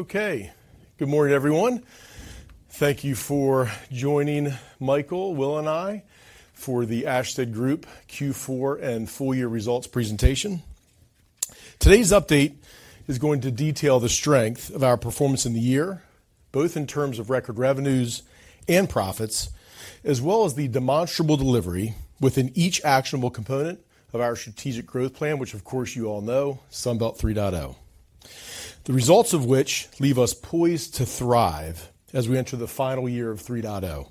Okay. Good morning, everyone. Thank you for joining Michael, Will, and I for the Ashtead Group Q4 and full year results presentation. Today's update is going to detail the strength of our performance in the year, both in terms of record revenues and profits, as well as the demonstrable delivery within each actionable component of our strategic growth plan, which of course, you all know, Sunbelt 3.0. The results of which leave us poised to thrive as we enter the final year of 3.0.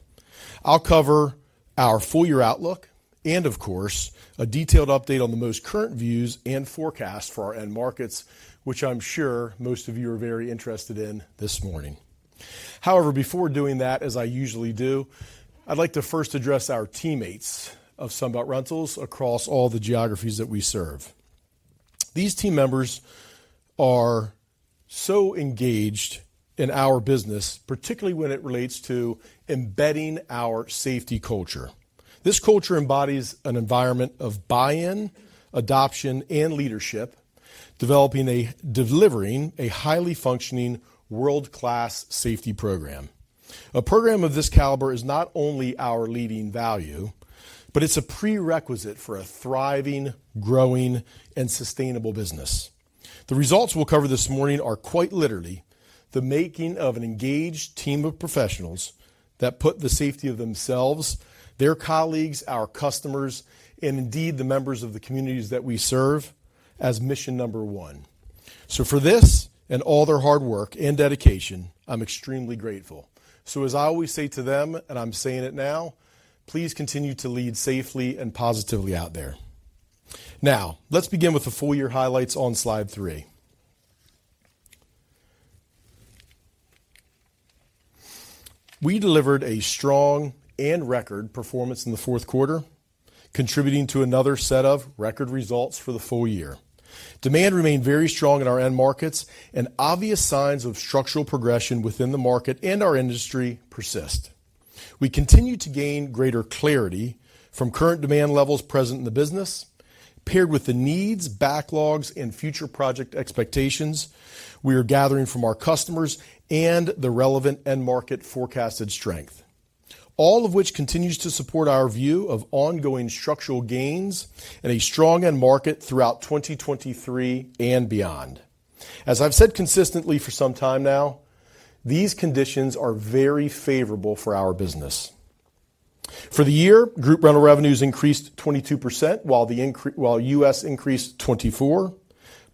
I'll cover our full year outlook and, of course, a detailed update on the most current views and forecasts for our end markets, which I'm sure most of you are very interested in this morning. Before doing that, as I usually do, I'd like to first address our teammates of Sunbelt Rentals across all the geographies that we serve. These team members are so engaged in our business, particularly when it relates to embedding our safety culture. This culture embodies an environment of buy-in, adoption, and leadership, developing delivering a highly functioning world-class safety program. A program of this caliber is not only our leading value, but it's a prerequisite for a thriving, growing, and sustainable business. The results we'll cover this morning are quite literally the making of an engaged team of professionals that put the safety of themselves, their colleagues, our customers, and indeed, the members of the communities that we serve, as mission number 1. For this and all their hard work and dedication, I'm extremely grateful. As I always say to them, and I'm saying it now, please continue to lead safely and positively out there. Let's begin with the full year highlights on slide 3. We delivered a strong and record performance in the fourth quarter, contributing to another set of record results for the full year. Demand remained very strong in our end markets. Obvious signs of structural progression within the market and our industry persist. We continue to gain greater clarity from current demand levels present in the business, paired with the needs, backlogs, and future project expectations we are gathering from our customers and the relevant end market forecasted strength. All of which continues to support our view of ongoing structural gains and a strong end market throughout 2023 and beyond. As I've said consistently for some time now, these conditions are very favorable for our business. For the year, group rental revenues increased 22%, while U.S. increased 24%.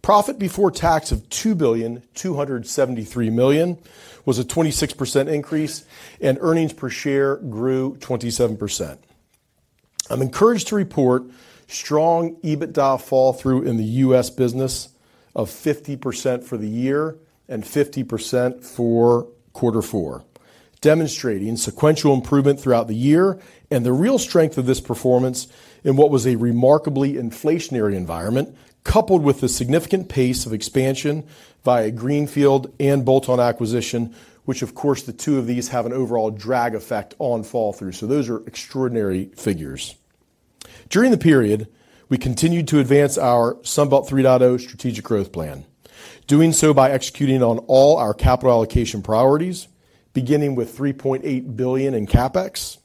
Profit before tax of $2.273 billion was a 26% increase. Earnings per share grew 27%. I'm encouraged to report strong EBITDA fall-through in the U.S. business of 50% for the year and 50% for quarter four, demonstrating sequential improvement throughout the year and the real strength of this performance in what was a remarkably inflationary environment, coupled with the significant pace of expansion via greenfield and bolt-on acquisition, which of course, the two of these have an overall drag effect on fall-through. Those are extraordinary figures. During the period, we continued to advance our Sunbelt 3.0 strategic growth plan, doing so by executing on all our capital allocation priorities, beginning with $3.8 billion in CapEx,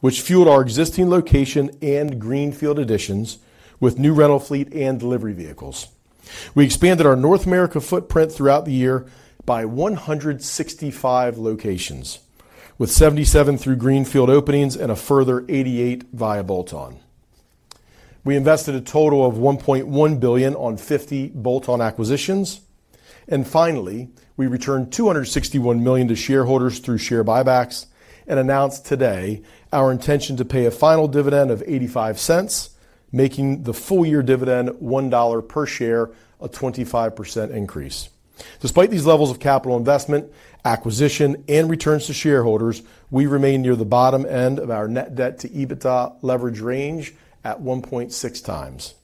which fueled our existing location and greenfield additions with new rental fleet and delivery vehicles. We expanded our North America footprint throughout the year by 165 locations, with 77 through greenfield openings and a further 88 via bolt-on. We invested a total of $1.1 billion on 50 bolt-on acquisitions. Finally, we returned $261 million to shareholders through share buybacks and announced today our intention to pay a final dividend of $0.85, making the full year dividend $1 per share, a 25% increase. Despite these levels of capital investment, acquisition, and returns to shareholders, we remain near the bottom end of our net debt to EBITDA leverage range at 1.6x.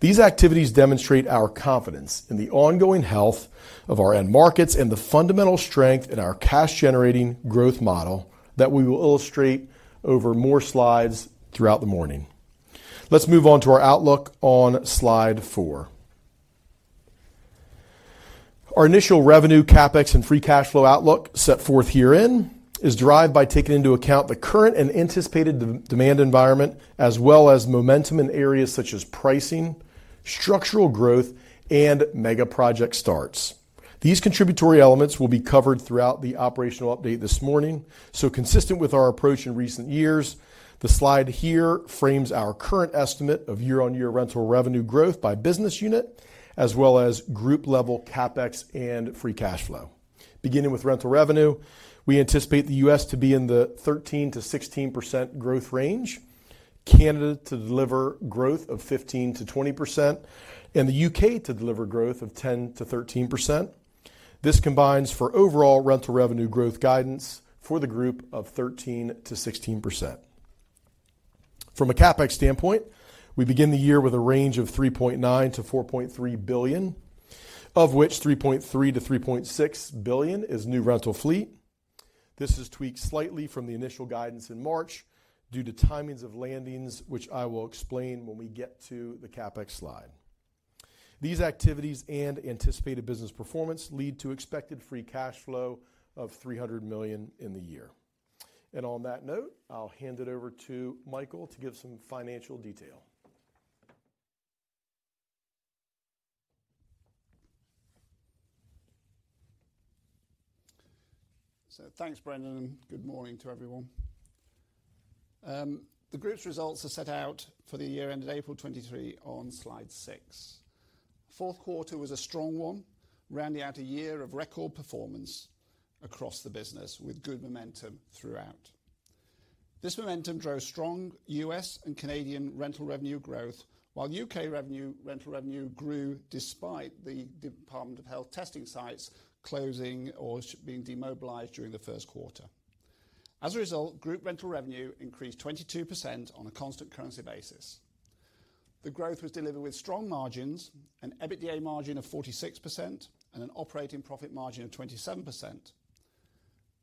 These activities demonstrate our confidence in the ongoing health of our end markets and the fundamental strength in our cash-generating growth model that we will illustrate over more slides throughout the morning. Let's move on to our outlook on slide 4. Our initial revenue, CapEx, and free cash flow outlook set forth herein is derived by taking into account the current and anticipated de-demand environment, as well as momentum in areas such as pricing, structural growth, and mega project starts. These contributory elements will be covered throughout the operational update this morning. Consistent with our approach in recent years, the slide here frames our current estimate of year-on-year rental revenue growth by business unit, as well as group-level CapEx and free cash flow. Beginning with rental revenue, we anticipate the U.S. to be in the 13%-16% growth range, Canada to deliver growth of 15%-20%, and the U.K. to deliver growth of 10%-13%. This combines for overall rental revenue growth guidance for the group of 13%-16%. From a CapEx standpoint, we begin the year with a range of $3.9 billion-$4.3 billion, of which $3.3 billion-$3.6 billion is new rental fleet. This is tweaked slightly from the initial guidance in March due to timings of landings, which I will explain when we get to the CapEx slide. These activities and anticipated business performance lead to expected free cash flow of $300 million in the year. On that note, I'll hand it over to Michael to give some financial detail. Thanks, Brendan, and good morning to everyone. The group's results are set out for the year ended April 2023 on slide 6. fourth quarter was a strong one, rounding out a year of record performance across the business with good momentum throughout. This momentum drove strong U.S. and Canadian rental revenue growth, while U.K. revenue, rental revenue grew despite the Department of Health testing sites closing or being demobilized during the first quarter. As a result, group rental revenue increased 22% on a constant currency basis. The growth was delivered with strong margins, an EBITDA margin of 46% and an operating profit margin of 27%. As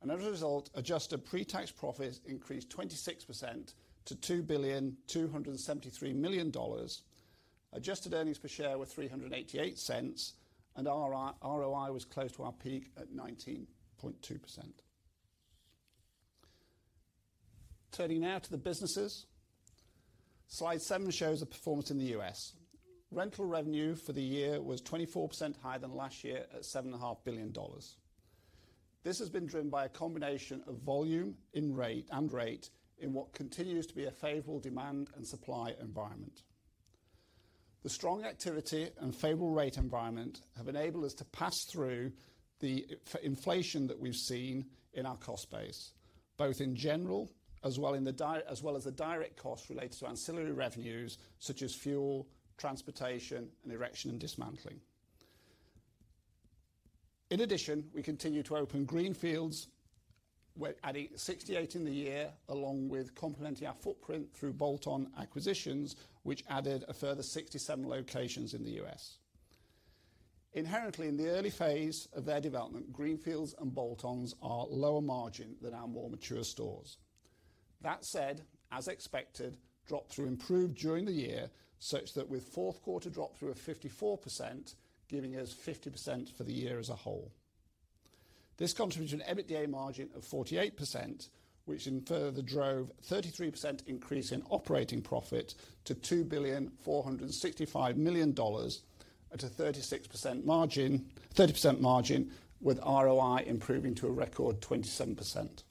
a result, adjusted pre-tax profits increased 26% to $2.273 billion. Adjusted earnings per share were $3.88. Our ROI was close to our peak at 19.2%. Turning now to the businesses. Slide 7 shows the performance in the U.S. Rental revenue for the year was 24% higher than last year at seven and a half billion dollars. This has been driven by a combination of volume in rate and rate in what continues to be a favorable demand and supply environment. The strong activity and favorable rate environment have enabled us to pass through the inflation that we've seen in our cost base, both in general as well as the direct costs related to ancillary revenues such as fuel, transportation, and erection and dismantling. In addition, we continue to open greenfields. We're adding 68 in the year, along with complementing our footprint through bolt-on acquisitions, which added a further 67 locations in the US. Inherently, in the early phase of their development, greenfields and bolt-ons are lower margin than our more mature stores. That said, as expected, drop-through improved during the year, such that with fourth quarter drop-through of 54%, giving us 50% for the year as a whole. This contributed to an EBITDA margin of 48%, which in further drove 33% increase in operating profit to $2.465 billion at a 30% margin, with ROI improving to a record 27%.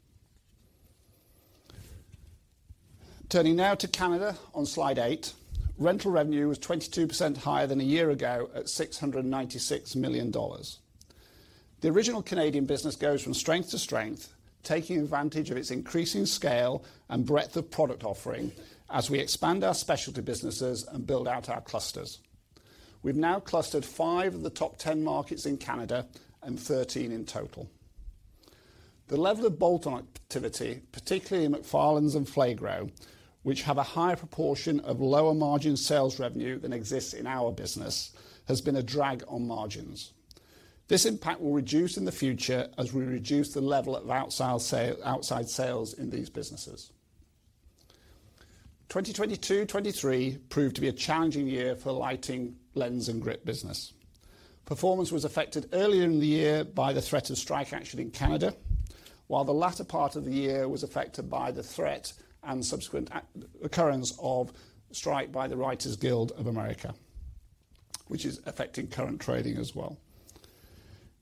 Turning now to Canada on slide eight, rental revenue was 22% higher than a year ago at 696 million dollars. The original Canadian business goes from strength to strength, taking advantage of its increasing scale and breadth of product offering as we expand our specialty businesses and build out our clusters. We've now clustered 5 of the top 10 markets in Canada and 13 in total. The level of bolt-on activity, particularly in MacFarlands and Flagro, which have a higher proportion of lower margin sales revenue than exists in our business, has been a drag on margins. This impact will reduce in the future as we reduce the level of outside sales in these businesses. 2022, 2023 proved to be a challenging year for Lighting, Lens and Grip business. Performance was affected earlier in the year by the threat of strike action in Canada, while the latter part of the year was affected by the threat and subsequent occurrence of strike by the Writers Guild of America, which is affecting current trading as well.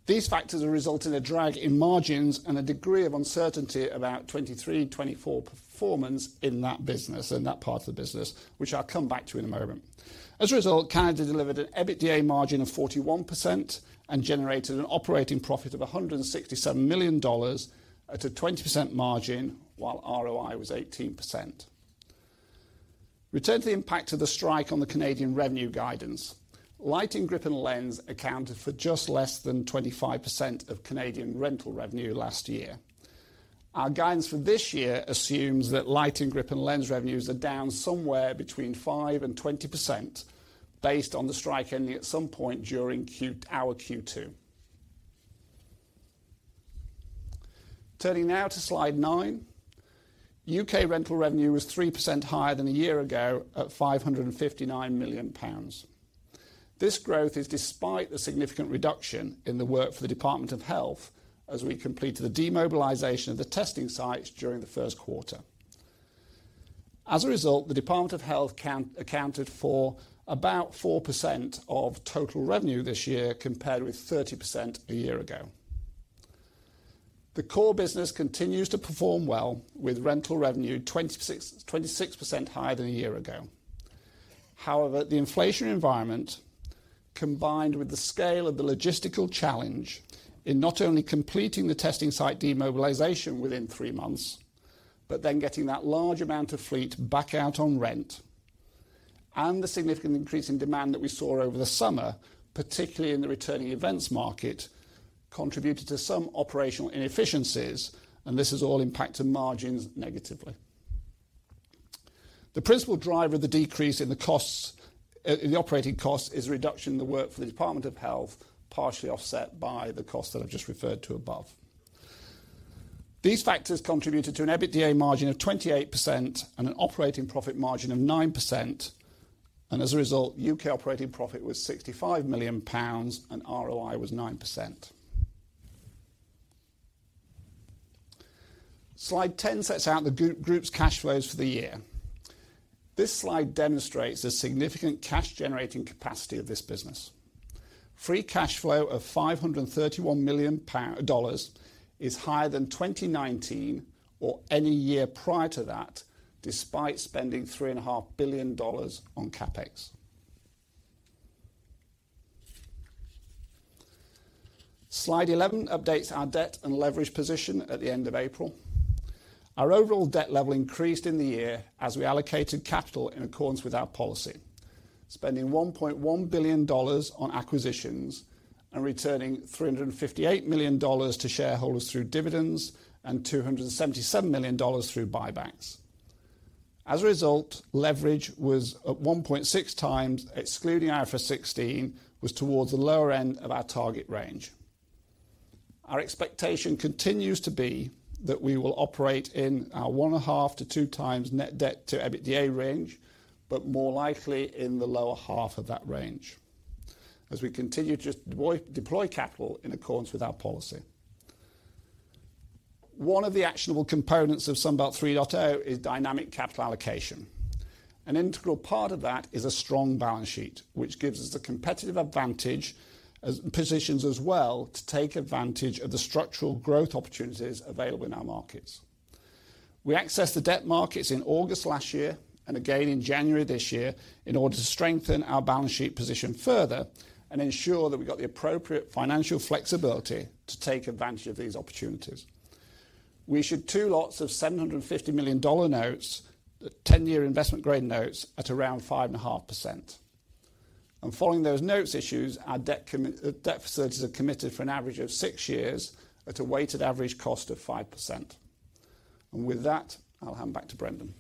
These factors have resulted in a drag in margins and a degree of uncertainty about 2023-2024 performance in that business, in that part of the business, which I'll come back to in a moment. As a result, Canada delivered an EBITDA margin of 41% and generated an operating profit of $167 million at a 20% margin, while ROI was 18%. Returning to the impact of the strike on the Canadian revenue guidance. Lighting, grip, and lens accounted for just less than 25% of Canadian rental revenue last year. Our guidance for this year assumes that Lighting, Grip, and Lens revenues are down somewhere between 5%-20% based on the strike ending at some point during our Q2. Turning now to slide nine. U.K. rental revenue was 3% higher than a year ago at 559 million pounds. This growth is despite the significant reduction in the work for the Department of Health as we completed the demobilization of the testing sites during the first quarter. As a result, the Department of Health accounted for about 4% of total revenue this year, compared with 30% a year ago. The core business continues to perform well, with rental revenue 26% higher than a year ago. The inflation environment, combined with the scale of the logistical challenge in not only completing the testing site demobilization within three months, but then getting that large amount of fleet back out on rent, and the significant increase in demand that we saw over the summer, particularly in the returning events market, contributed to some operational inefficiencies. This has all impacted margins negatively. The principal driver of the decrease in the costs, in the operating costs, is a reduction in the work for the Department of Health, partially offset by the costs that I've just referred to above. These factors contributed to an EBITDA margin of 28% and an operating profit margin of 9%. As a result, U.K. operating profit was 65 million pounds and ROI was 9%. Slide 10 sets out the group's cash flows for the year. This slide demonstrates a significant cash-generating capacity of this business. Free cash flow of $531 million is higher than 2019 or any year prior to that, despite spending three and a half billion dollars on CapEx. Slide 11 updates our debt and leverage position at the end of April. Our overall debt level increased in the year as we allocated capital in accordance with our policy, spending $1.1 billion on acquisitions and returning $358 million to shareholders through dividends and $277 million through buybacks. As a result, leverage was at 1.6x, excluding IFRS 16, was towards the lower end of our target range. Our expectation continues to be that we will operate in our 1.5-2x net debt to EBITDA range, but more likely in the lower half of that range as we continue to deploy capital in accordance with our policy. One of the actionable components of Sunbelt 3.0 is dynamic capital allocation. An integral part of that is a strong balance sheet, which gives us the competitive advantage as positions as well, to take advantage of the structural growth opportunities available in our markets. We accessed the debt markets in August last year, and again in January this year, in order to strengthen our balance sheet position further and ensure that we got the appropriate financial flexibility to take advantage of these opportunities. We issued 2 lots of $750 million notes, the 10-year investment-grade notes at around 5.5%. Following those notes issues, our debt facilities are committed for an average of 6 years at a weighted average cost of 5%. With that, I'll hand back to Brendan.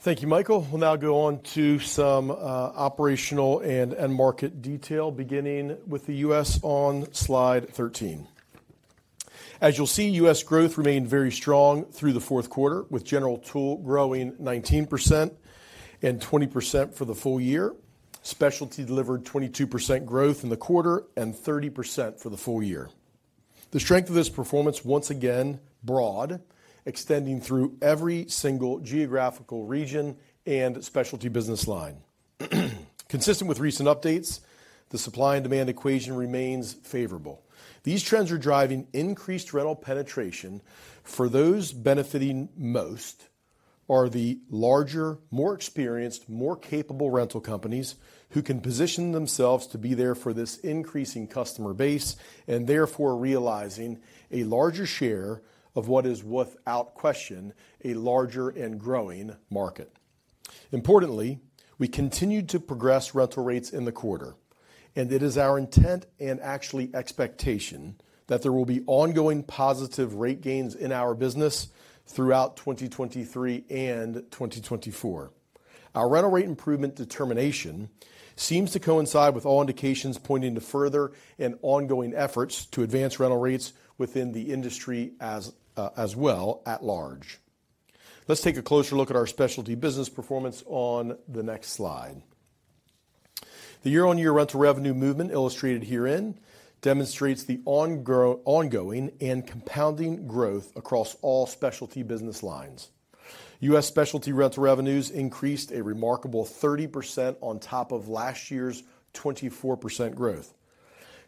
Thank you, Michael. We'll now go on to some operational and market detail, beginning with the U.S. on slide 13. As you'll see, U.S. growth remained very strong through the fourth quarter, with general tool growing 19% and 20% for the full year. Specialty delivered 22% growth in the quarter and 30% for the full year. The strength of this performance once again broad, extending through every single geographical region and specialty business line. Consistent with recent updates, the supply and demand equation remains favorable. These trends are driving increased rental penetration for those benefiting most are the larger, more experienced, more capable rental companies who can position themselves to be there for this increasing customer base, and therefore realizing a larger share of what is, without question, a larger and growing market. Importantly, we continued to progress rental rates in the quarter. It is our intent and actually expectation that there will be ongoing positive rate gains in our business throughout 2023 and 2024. Our rental rate improvement determination seems to coincide with all indications pointing to further and ongoing efforts to advance rental rates within the industry as well at large. Let's take a closer look at our specialty business performance on the next slide. The year-on-year rental revenue movement illustrated herein demonstrates the ongoing and compounding growth across all specialty business lines. U.S. specialty rental revenues increased a remarkable 30% on top of last year's 24% growth.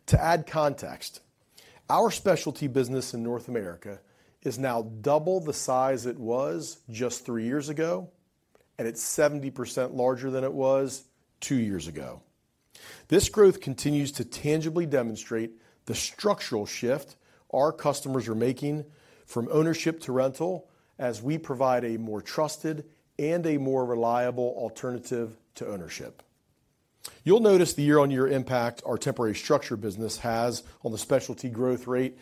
To add context, our specialty business in North America is now double the size it was just three years ago, and it's 70% larger than it was two years ago. This growth continues to tangibly demonstrate the structural shift our customers are making from ownership to rental as we provide a more trusted and a more reliable alternative to ownership. You'll notice the year-on-year impact our temporary structure business has on the specialty growth rate,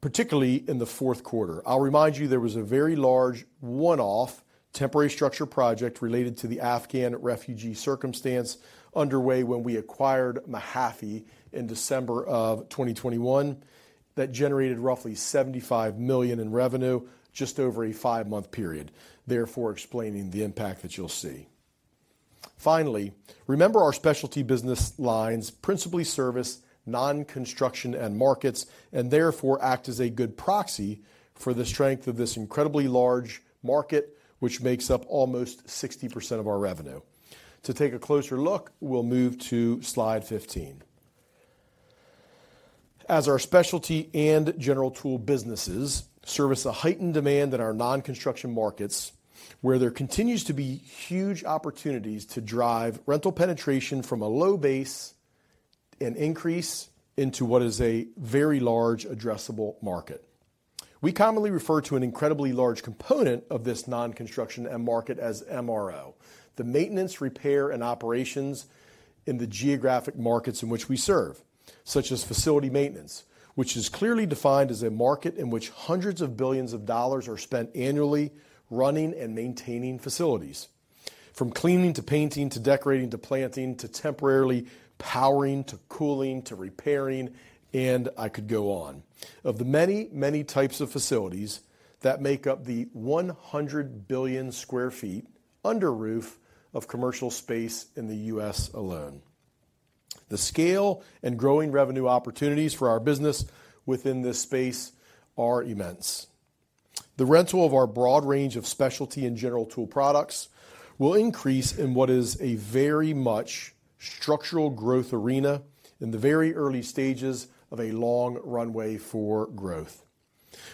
particularly in the fourth quarter. I'll remind you, there was a very large one-off temporary structure project related to the Afghan refugee circumstance underway when we acquired Mahaffey in December of 2021. That generated roughly $75 million in revenue, just over a 5-month period, therefore explaining the impact that you'll see. Remember, our specialty business lines principally service non-construction and markets, and therefore act as a good proxy for the strength of this incredibly large market, which makes up almost 60% of our revenue. To take a closer look, we'll move to slide 15. As our specialty and general tool businesses service a heightened demand in our non-construction markets, where there continues to be huge opportunities to drive rental penetration from a low base and increase into what is a very large addressable market. We commonly refer to an incredibly large component of this non-construction end market as MRO. The maintenance, repair, and operations in the geographic markets in which we serve, such as facility maintenance, which is clearly defined as a market in which $ hundreds of billions are spent annually running and maintaining facilities, from cleaning, to painting, to decorating, to planting, to temporarily powering, to cooling, to repairing, and I could go on. Of the many, many types of facilities that make up the 100 billion sq ft under roof of commercial space in the U.S. alone. The scale and growing revenue opportunities for our business within this space are immense. The rental of our broad range of specialty and General Rental products will increase in what is a very much structural growth arena in the very early stages of a long runway for growth.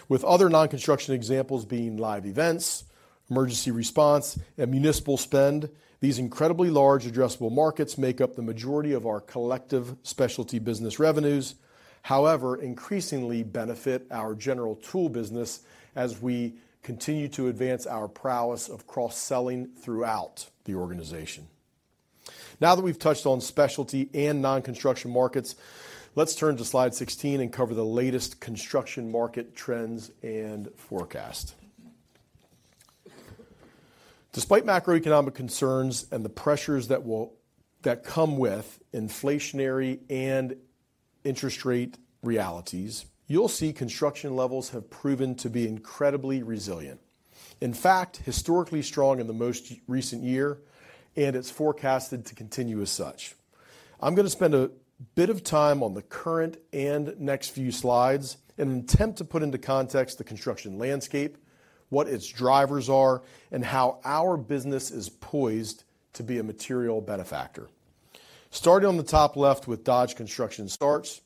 With other non-construction examples being live events, emergency response, and municipal spend, these incredibly large addressable markets make up the majority of our collective specialty business revenues. However, increasingly benefit our General Rental business as we continue to advance our prowess of cross-selling throughout the organization. Now that we've touched on specialty and non-construction markets, let's turn to slide 16 and cover the latest construction market trends and forecast. Despite macroeconomic concerns and the pressures that come with inflationary and interest rate realities, you'll see construction levels have proven to be incredibly resilient. In fact, historically strong in the most recent year, it's forecasted to continue as such. I'm gonna spend a bit of time on the current and next few slides in an attempt to put into context the construction landscape, what its drivers are, and how our business is poised to be a material benefactor. Starting on the top left with Dodge Construction Starts,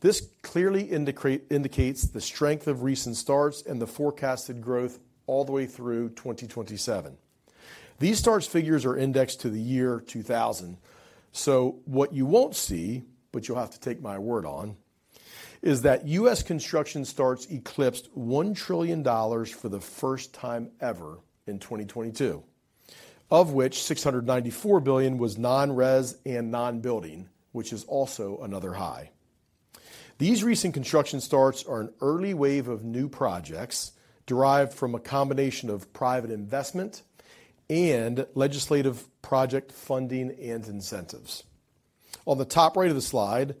this clearly indicates the strength of recent starts and the forecasted growth all the way through 2027. These starts figures are indexed to the year 2000, what you won't see, but you'll have to take my word on, is that US construction starts eclipsed $1 trillion for the first time ever in 2022, of which $694 billion was non-res and non-building, which is also another high. These recent construction starts are an early wave of new projects derived from a combination of private investment and legislative project funding and incentives. On the top right of the slide,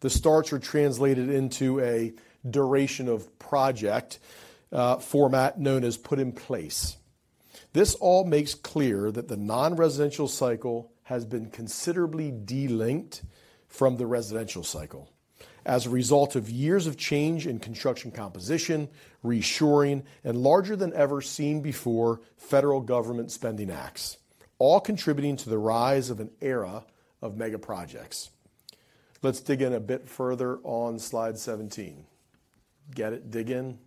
the starts are translated into a duration of project format known as put-in-place. This all makes clear that the non-residential cycle has been considerably delinked from the residential cycle as a result of years of change in construction composition, reshoring, and larger-than-ever-seen before federal government spending acts, all contributing to the rise of an era of mega projects. Let's dig in a bit further on slide 17. Get it, dig in?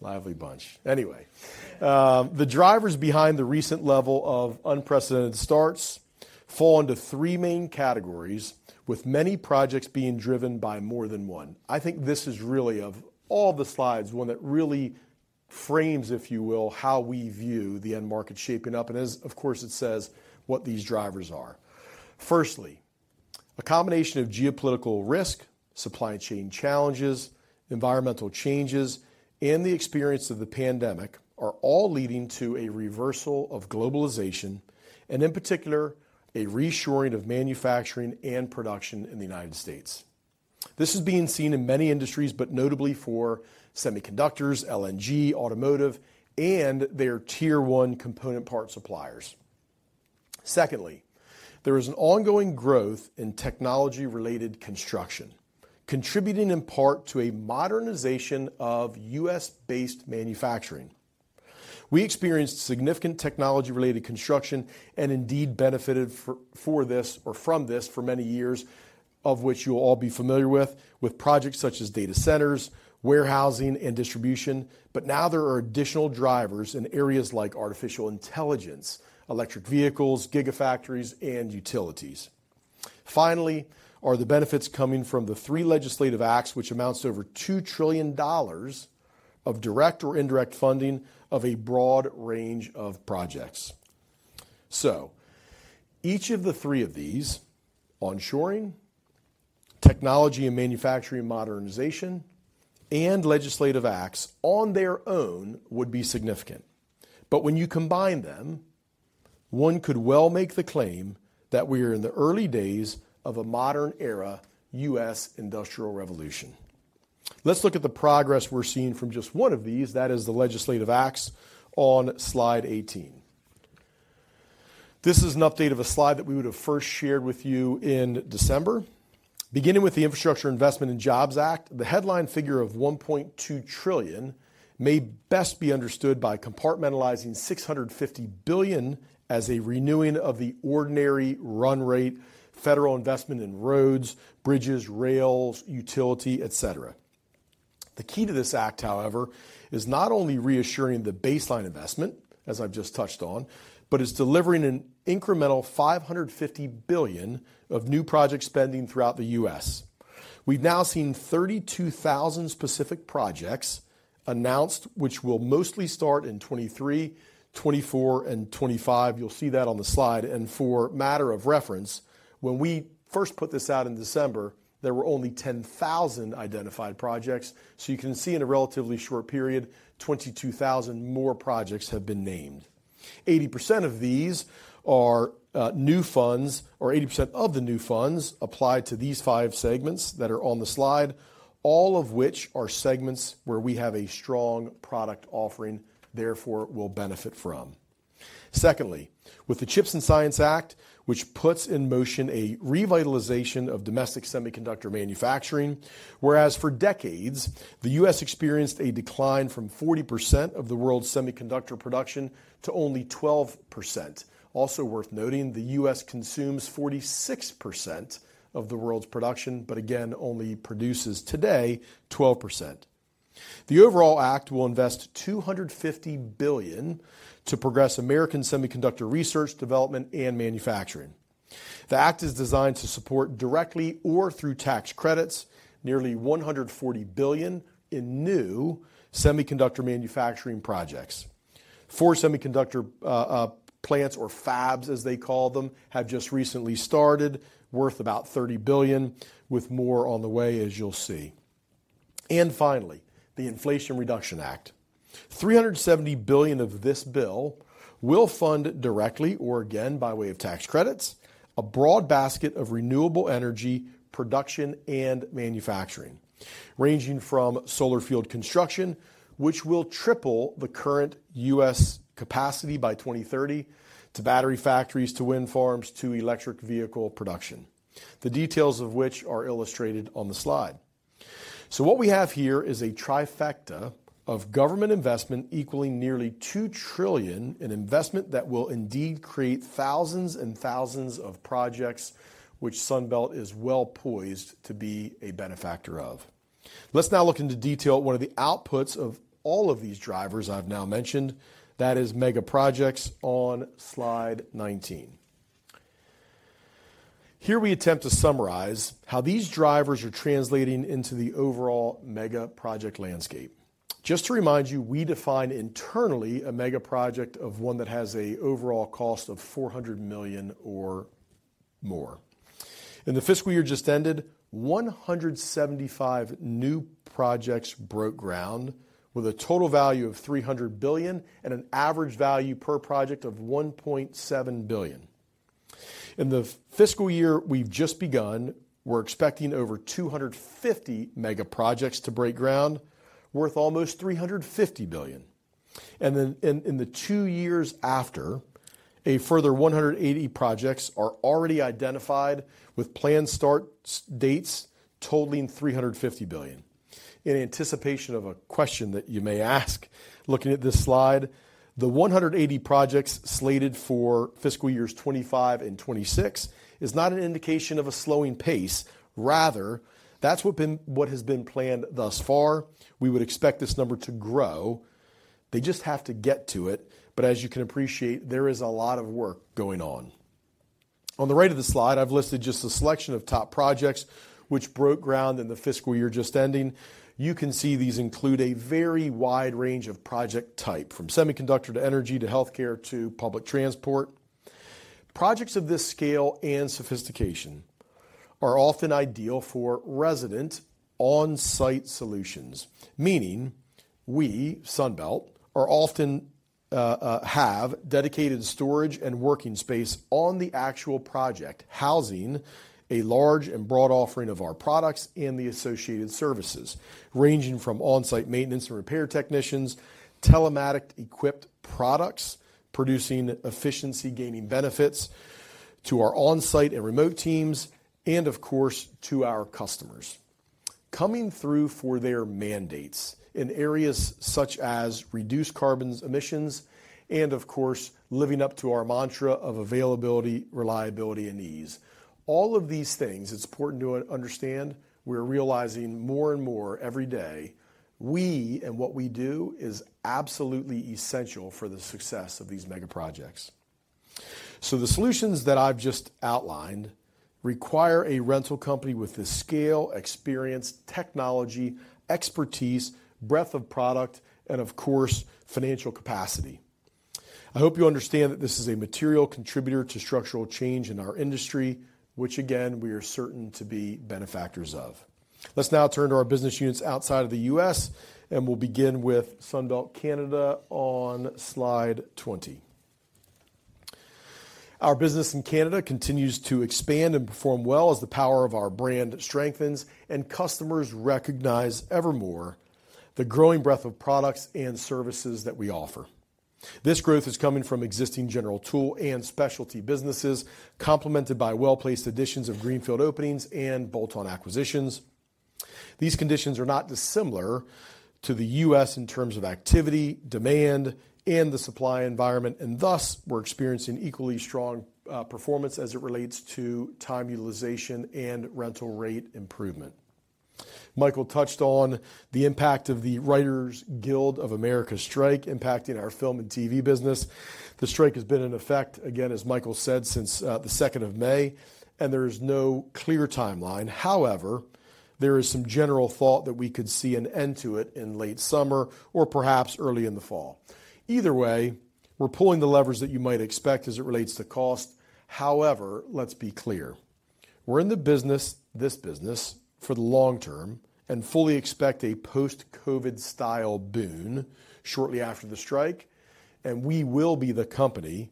Lively bunch. The drivers behind the recent level of unprecedented starts fall into three main categories, with many projects being driven by more than one. I think this is really, of all the slides, one that really frames, if you will, how we view the end market shaping up. As of course, it says what these drivers are. Firstly, a combination of geopolitical risk, supply chain challenges, environmental changes, and the experience of the pandemic are all leading to a reversal of globalization, and in particular, a reshoring of manufacturing and production in the United States. This is being seen in many industries, notably for semiconductors, LNG, automotive, and their tier one component part suppliers. Secondly, there is an ongoing growth in technology-related construction, contributing in part to a modernization of U.S.-based manufacturing. We experienced significant technology-related construction and indeed benefited from this for many years, of which you will all be familiar with projects such as data centers, warehousing, and distribution. Now there are additional drivers in areas like artificial intelligence, electric vehicles, gigafactories, and utilities. Finally, are the benefits coming from the 3 legislative acts, which amounts to over $2 trillion of direct or indirect funding of a broad range of projects. Each of the 3 of these, onshoring, technology and manufacturing modernization, and legislative acts on their own, would be significant. When you combine them, one could well make the claim that we are in the early days of a modern era, U.S. industrial revolution. Let's look at the progress we're seeing from just one of these. That is the legislative acts on slide 18. This is an update of a slide that we would have first shared with you in December. Beginning with the Infrastructure Investment and Jobs Act, the headline figure of $1.2 trillion may best be understood by compartmentalizing $650 billion as a renewing of the ordinary run rate, federal investment in roads, bridges, rails, utility, etc. The key to this act, however, is not only reassuring the baseline investment, as I've just touched on, but is delivering an incremental $550 billion of new project spending throughout the U.S. We've now seen 32,000 specific projects announced, which will mostly start in 2023, 2024, and 2025. You'll see that on the slide. For matter of reference, when we first put this out in December, there were only 10,000 identified projects. You can see in a relatively short period, 22,000 more projects have been named. 80% of these are new funds, or 80% of the new funds apply to these 5 segments that are on the slide, all of which are segments where we have a strong product offering, therefore, will benefit from. Secondly, with the CHIPS and Science Act, which puts in motion a revitalization of domestic semiconductor manufacturing, whereas for decades, the U.S. experienced a decline from 40% of the world's semiconductor production to only 12%. Also worth noting, the U.S. consumes 46% of the world's production, but again, only produces today 12%. The overall act will invest $250 billion to progress American semiconductor research, development, and manufacturing. The act is designed to support, directly or through tax credits, nearly $140 billion in new semiconductor manufacturing projects. Four semiconductor plants or fabs, as they call them, have just recently started, worth about $30 billion, with more on the way, as you'll see. Finally, the Inflation Reduction Act. $370 billion of this bill will fund directly, or again, by way of tax credits, a broad basket of renewable energy production and manufacturing, ranging from solar field construction, which will triple the current U.S. capacity by 2030, to battery factories, to wind farms, to electric vehicle production, the details of which are illustrated on the slide. What we have here is a trifecta of government investment equaling nearly $2 trillion in investment that will indeed create thousands and thousands of projects, which Sunbelt is well-poised to be a benefactor of. Let's now look into detail at one of the outputs of all of these drivers I've now mentioned. That is mega projects on slide 19. Here we attempt to summarize how these drivers are translating into the overall mega project landscape. Just to remind you, we define internally a mega project of one that has a overall cost of $400 million or more. In the fiscal year just ended, 175 new projects broke ground with a total value of $300 billion and an average value per project of $1.7 billion. In the fiscal year we've just begun, we're expecting over 250 mega projects to break ground, worth almost $350 billion. In the 2 years after, a further 180 projects are already identified with planned start dates totaling $350 billion. In anticipation of a question that you may ask, looking at this slide, the 180 projects slated for fiscal years 2025 and 2026 is not an indication of a slowing pace. Rather, that's what has been planned thus far. We would expect this number to grow. They just have to get to it. As you can appreciate, there is a lot of work going on. On the right of the slide, I've listed just a selection of top projects which broke ground in the fiscal year just ending. You can see these include a very wide range of project type, from semiconductor to energy, to healthcare, to public transport. Projects of this scale and sophistication are often ideal for resident on-site solutions. Meaning we, Sunbelt, are often, have dedicated storage and working space on the actual project, housing a large and broad offering of our products and the associated services, ranging from on-site maintenance and repair technicians, telematic-equipped products, producing efficiency, gaining benefits to our on-site and remote teams, and of course, to our customers. Coming through for their mandates in areas such as reduced carbon emissions, and of course, living up to our mantra of availability, reliability, and ease. All of these things, it's important to understand, we're realizing more and more every day, we and what we do is absolutely essential for the success of these mega projects. The solutions that I've just outlined require a rental company with the scale, experience, technology, expertise, breadth of product, and of course, financial capacity. I hope you understand that this is a material contributor to structural change in our industry, which again, we are certain to be benefactors of. Let's now turn to our business units outside of the US. We'll begin with Sunbelt Canada on slide 20. Our business in Canada continues to expand and perform well as the power of our brand strengthens and customers recognize evermore the growing breadth of products and services that we offer. This growth is coming from existing general tool and specialty businesses, complemented by well-placed additions of greenfield openings and bolt-on acquisitions. These conditions are not dissimilar to the US in terms of activity, demand, and the supply environment. Thus, we're experiencing equally strong performance as it relates to time utilization and rental rate improvement. Michael touched on the impact of the Writers Guild of America strike, impacting our film and TV business. The strike has been in effect, again, as Michael Foster said, since the second of May, and there is no clear timeline. However, there is some general thought that we could see an end to it in late summer or perhaps early in the fall. Either way, we're pulling the levers that you might expect as it relates to cost. However, let's be clear. We're in the business, this business, for the long term and fully expect a post-COVID style boom shortly after the strike, and we will be the company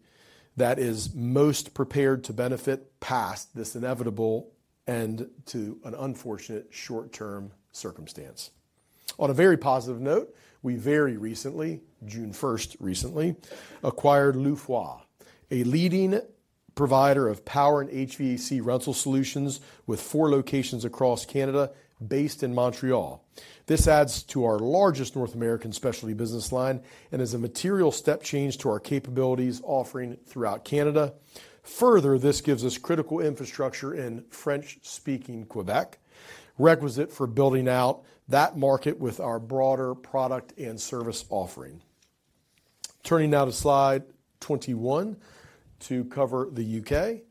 that is most prepared to benefit past this inevitable end to an unfortunate short-term circumstance. On a very positive note, we very recently, June 1st, acquired Lou-Froid, a leading provider of power and HVAC rental solutions with four locations across Canada, based in Montreal. This adds to our largest North American specialty business line and is a material step change to our capabilities offering throughout Canada. This gives us critical infrastructure in French-speaking Quebec, requisite for building out that market with our broader product and service offering. Turning now to Slide 21 to cover the U.K.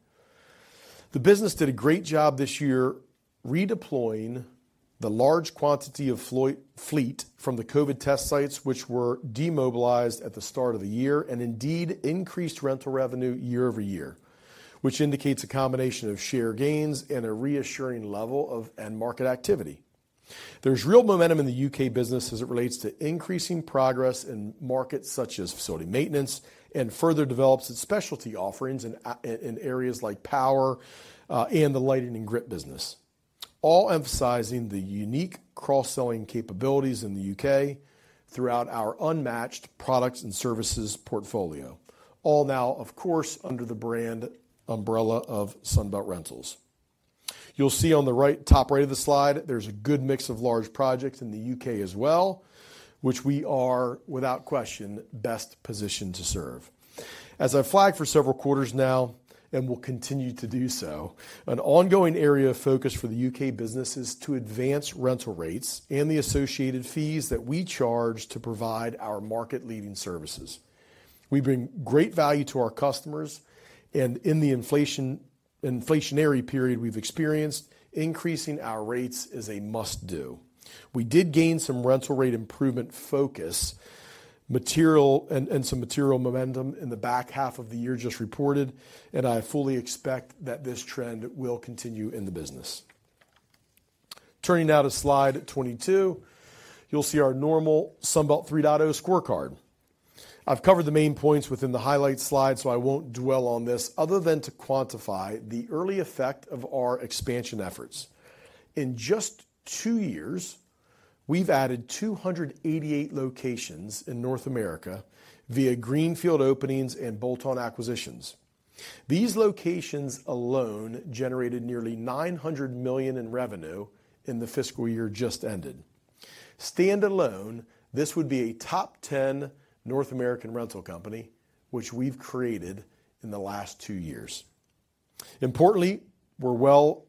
The business did a great job this year redeploying the large quantity of fleet from the COVID test sites, which were demobilized at the start of the year and indeed increased rental revenue year-over-year, which indicates a combination of share gains and a reassuring level of end-market activity. There's real momentum in the U.K. business as it relates to increasing progress in markets such as facility maintenance and further develops its specialty offerings in areas like power and the lighting, grip and lens business. All emphasizing the unique cross-selling capabilities in the U.K. throughout our unmatched products and services portfolio. All now, of course, under the brand umbrella of Sunbelt Rentals. You'll see on the right, top right of the slide, there's a good mix of large projects in the U.K. as well, which we are, without question, best positioned to serve. As I've flagged for several quarters now, and will continue to do so, an ongoing area of focus for the U.K. business is to advance rental rates and the associated fees that we charge to provide our market-leading services. We bring great value to our customers, and in the inflationary period we've experienced, increasing our rates is a must-do. We did gain some rental rate improvement focus. Some material momentum in the back half of the year just reported, I fully expect that this trend will continue in the business. Turning now to Slide 22, you'll see our normal Sunbelt 3.0 scorecard. I've covered the main points within the highlight slide, so I won't dwell on this other than to quantify the early effect of our expansion efforts. In just 2 years, we've added 288 locations in North America via greenfield openings and bolt-on acquisitions. These locations alone generated nearly $900 million in revenue in the fiscal year just ended. Standalone, this would be a top 10 North American rental company, which we've created in the last 2 years. Importantly, we're well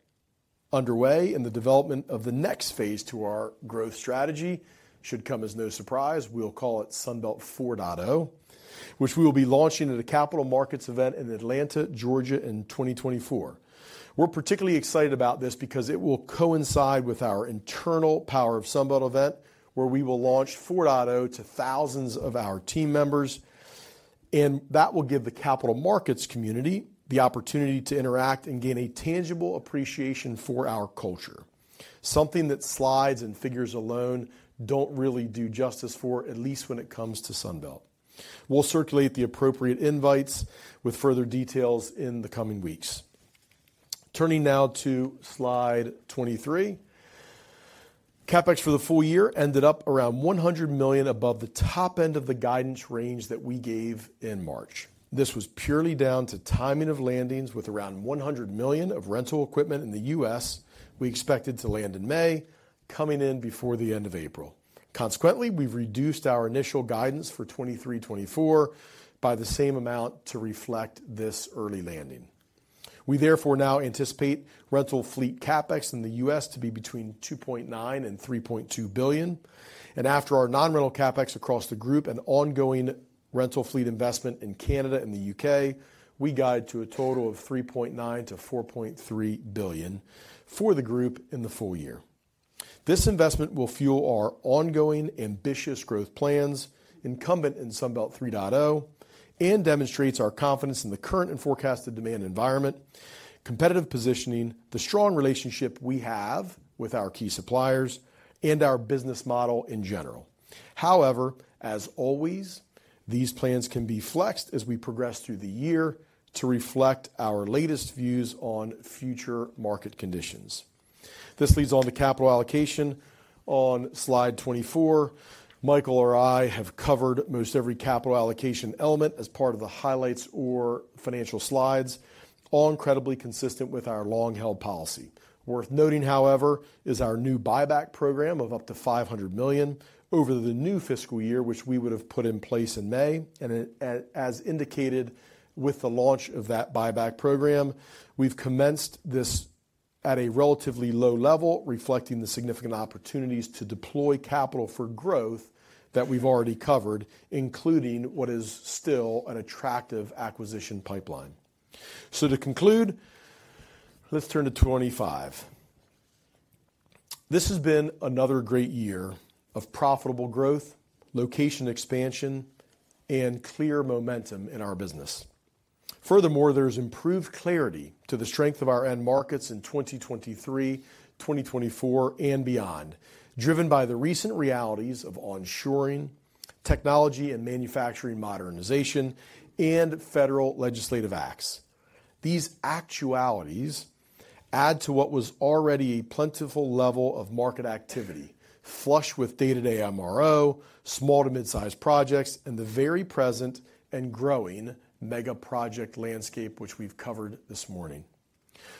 underway in the development of the next phase to our growth strategy. Should come as no surprise, we'll call it Sunbelt 4.0, which we will be launching at a capital markets event in Atlanta, Georgia, in 2024. We're particularly excited about this because it will coincide with our internal Power of Sunbelt event, where we will launch 4.0 to thousands of our team members, and that will give the capital markets community the opportunity to interact and gain a tangible appreciation for our culture. Something that slides and figures alone don't really do justice for, at least when it comes to Sunbelt. We'll circulate the appropriate invites with further details in the coming weeks. Turning now to Slide 23, CapEx for the full year ended up around $100 million above the top end of the guidance range that we gave in March. This was purely down to timing of landings, with around $100 million of rental equipment in the U.S. we expected to land in May, coming in before the end of April. Consequently, we've reduced our initial guidance for 2023, 2024 by the same amount to reflect this early landing. We therefore now anticipate rental fleet CapEx in the U.S. to be between $2.9 billion and $3.2 billion. After our non-rental CapEx across the group and ongoing rental fleet investment in Canada and the U.K., we guide to a total of $3.9 billion-$4.3 billion for the group in the full year. This investment will fuel our ongoing ambitious growth plans, incumbent in Sunbelt 3.0, and demonstrates our confidence in the current and forecasted demand environment, competitive positioning, the strong relationship we have with our key suppliers, and our business model in general. However, as always, these plans can be flexed as we progress through the year to reflect our latest views on future market conditions. This leads on to capital allocation on Slide 24. Michael or I have covered most every capital allocation element as part of the highlights or financial slides, all incredibly consistent with our long-held policy. Worth noting, however, is our new buyback program of up to $500 million over the new fiscal year, which we would have put in place in May. As indicated with the launch of that buyback program, we've commenced this at a relatively low level, reflecting the significant opportunities to deploy capital for growth that we've already covered, including what is still an attractive acquisition pipeline. To conclude, let's turn to 25. This has been another great year of profitable growth, location expansion, and clear momentum in our business. Furthermore, there's improved clarity to the strength of our end markets in 2023, 2024, and beyond, driven by the recent realities of onshoring, technology and manufacturing modernization, and federal legislative acts. These actualities add to what was already a plentiful level of market activity, flush with day-to-day MRO, small to mid-sized projects, and the very present and growing mega project landscape, which we've covered this morning.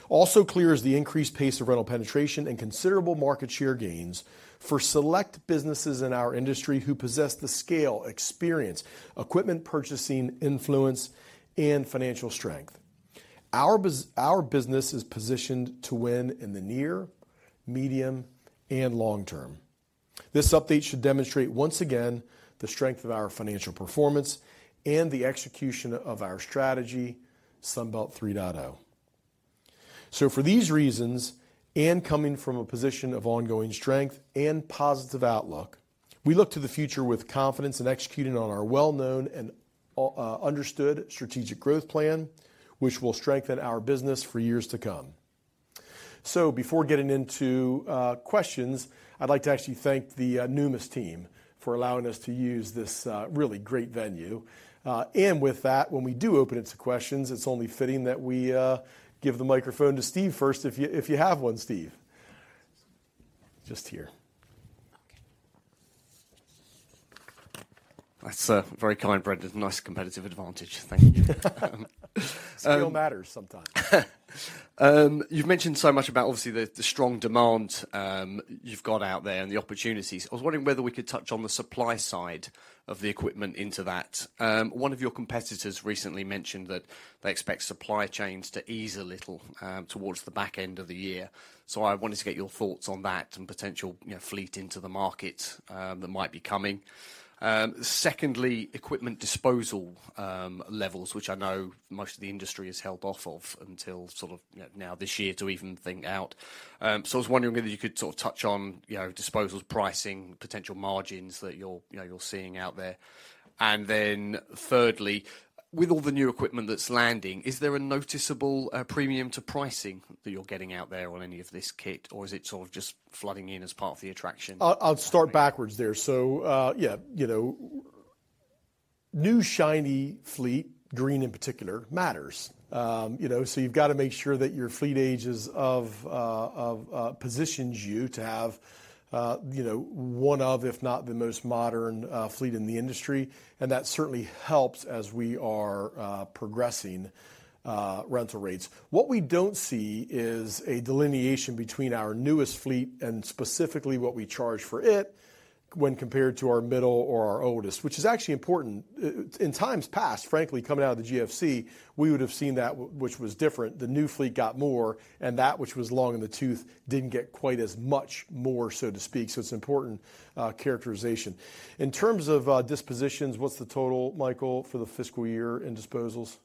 Also clear is the increased pace of rental penetration and considerable market share gains for select businesses in our industry who possess the scale, experience, equipment purchasing influence, and financial strength. Our business is positioned to win in the near, medium, and long term. This update should demonstrate once again the strength of our financial performance and the execution of our strategy, Sunbelt 3.0. For these reasons, and coming from a position of ongoing strength and positive outlook, we look to the future with confidence in executing on our well-known and understood strategic growth plan, which will strengthen our business for years to come. Before getting into questions, I'd like to actually thank the Numis team for allowing us to use this really great venue. With that, when we do open it to questions, it's only fitting that we give the microphone to Steve first, if you have one, Steve. Just here. Okay. That's very kind, Brent. Nice competitive advantage. Thank you. Skill matters sometimes. You've mentioned so much about obviously the strong demand, you've got out there and the opportunities. I was wondering whether we could touch on the supply side of the equipment into that. One of your competitors recently mentioned that they expect supply chains to ease a little towards the back end of the year. I wanted to get your thoughts on that and potential, you know, fleet into the market that might be coming. Secondly, equipment disposal levels, which I know most of the industry has held off of until sort of, you know, now this year to even think out. I was wondering whether you could sort of touch on, you know, disposals, pricing, potential margins that you're, you know, you're seeing out there. Thirdly, with all the new equipment that's landing, is there a noticeable premium to pricing that you're getting out there on any of this kit, or is it sort of just flooding in as part of the attraction? I'll start backwards there. Yeah, you know, new shiny fleet, green in particular, matters. You know, you've got to make sure that your fleet age is of positions you to have, you know, one of, if not the most modern, fleet in the industry. And that certainly helps as we are progressing rental rates. What we don't see is a delineation between our newest fleet and specifically what we charge for it when compared to our middle or our oldest, which is actually important. In times past, frankly, coming out of the GFC, we would have seen that which was different. The new fleet got more, and that, which was long in the tooth, didn't get quite as much more, so to speak. It's important characterization. In terms of dispositions, what's the total, Michael, for the fiscal year in disposals?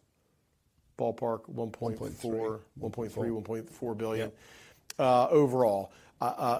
Ballpark, $1.3 billion-$1.4 billion. Yeah. Overall,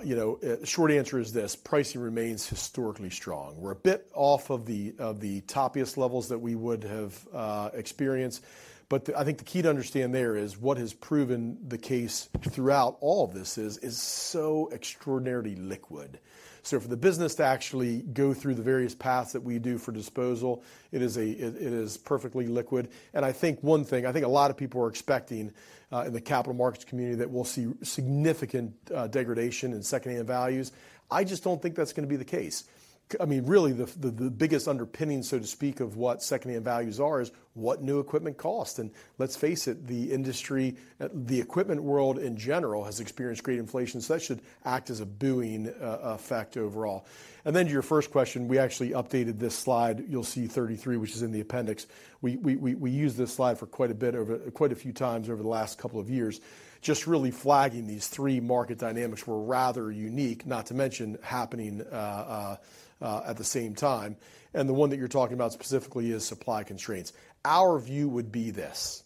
you know, short answer is this: pricing remains historically strong. We're a bit off of the toppiest levels that we would have experienced, but I think the key to understand there is what has proven the case throughout all of this is so extraordinarily liquid. For the business to actually go through the various paths that we do for disposal, it is perfectly liquid. I think one thing, I think a lot of people are expecting in the capital markets community, that we'll see significant degradation in secondhand values. I just don't think that's gonna be the case. I mean, really, the biggest underpinning, so to speak, of what secondhand values are is what new equipment cost. Let's face it, the industry, the equipment world in general, has experienced great inflation, so that should act as a booming effect overall. To your first question, we actually updated this slide. You'll see 33, which is in the appendix. We used this slide for quite a few times over the last couple of years, just really flagging these three market dynamics were rather unique, not to mention happening at the same time. The one that you're talking about specifically is supply constraints. Our view would be this: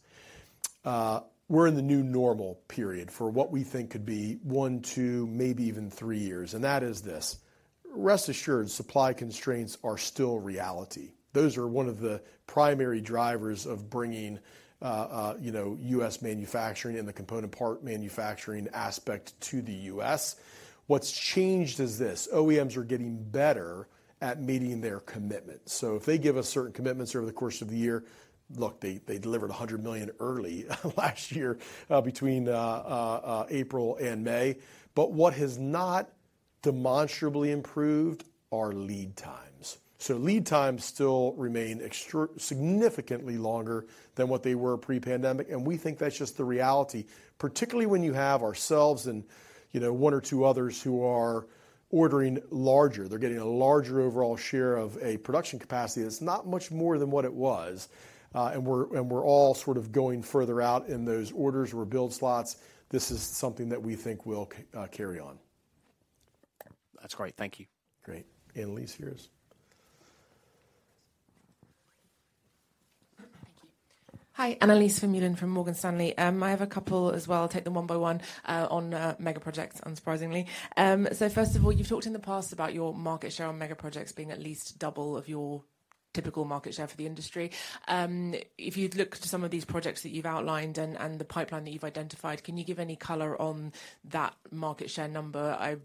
we're in the new normal period for what we think could be 1, 2, maybe even 3 years, and that is this. Rest assured, supply constraints are still a reality. Those are one of the primary drivers of bringing, you know, U.S. manufacturing and the component part manufacturing aspect to the U.S. What's changed is this: OEMs are getting better at meeting their commitments. If they give us certain commitments over the course of the year, look, they delivered $100 million early, last year, between April and May. What has not demonstrably improved are lead times. Lead times still remain significantly longer than what they were pre-pandemic, and we think that's just the reality, particularly when you have ourselves and, you know, one or two others who are ordering larger. They're getting a larger overall share of a production capacity that's not much more than what it was. We're all sort of going further out in those orders, rebuild slots. This is something that we think will carry on. That's great. Thank you. Great. Annelies. Thank you. Hi, Annelies Vermeulen from Morgan Stanley. I have a couple as well. I'll take them one by one on megaprojects, unsurprisingly. First of all, you've talked in the past about your market share on megaprojects being at least double of your typical market share for the industry. If you'd look to some of these projects that you've outlined and the pipeline that you've identified, can you give any color on that market share number? I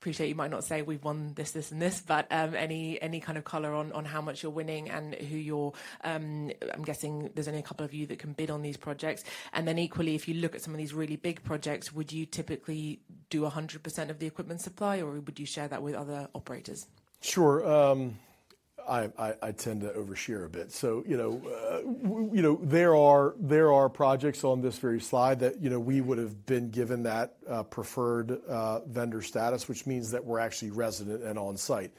appreciate you might not say we've won this, and this, but any kind of color on how much you're winning and who you're? I'm guessing there's only a couple of you that can bid on these projects. Equally, if you look at some of these really big projects, would you typically do 100% of the equipment supply, or would you share that with other operators? Sure. I tend to overshare a bit. You know, there are projects on this very slide that, you know, we would have been given that preferred vendor status, which means that we're actually resident and on-site.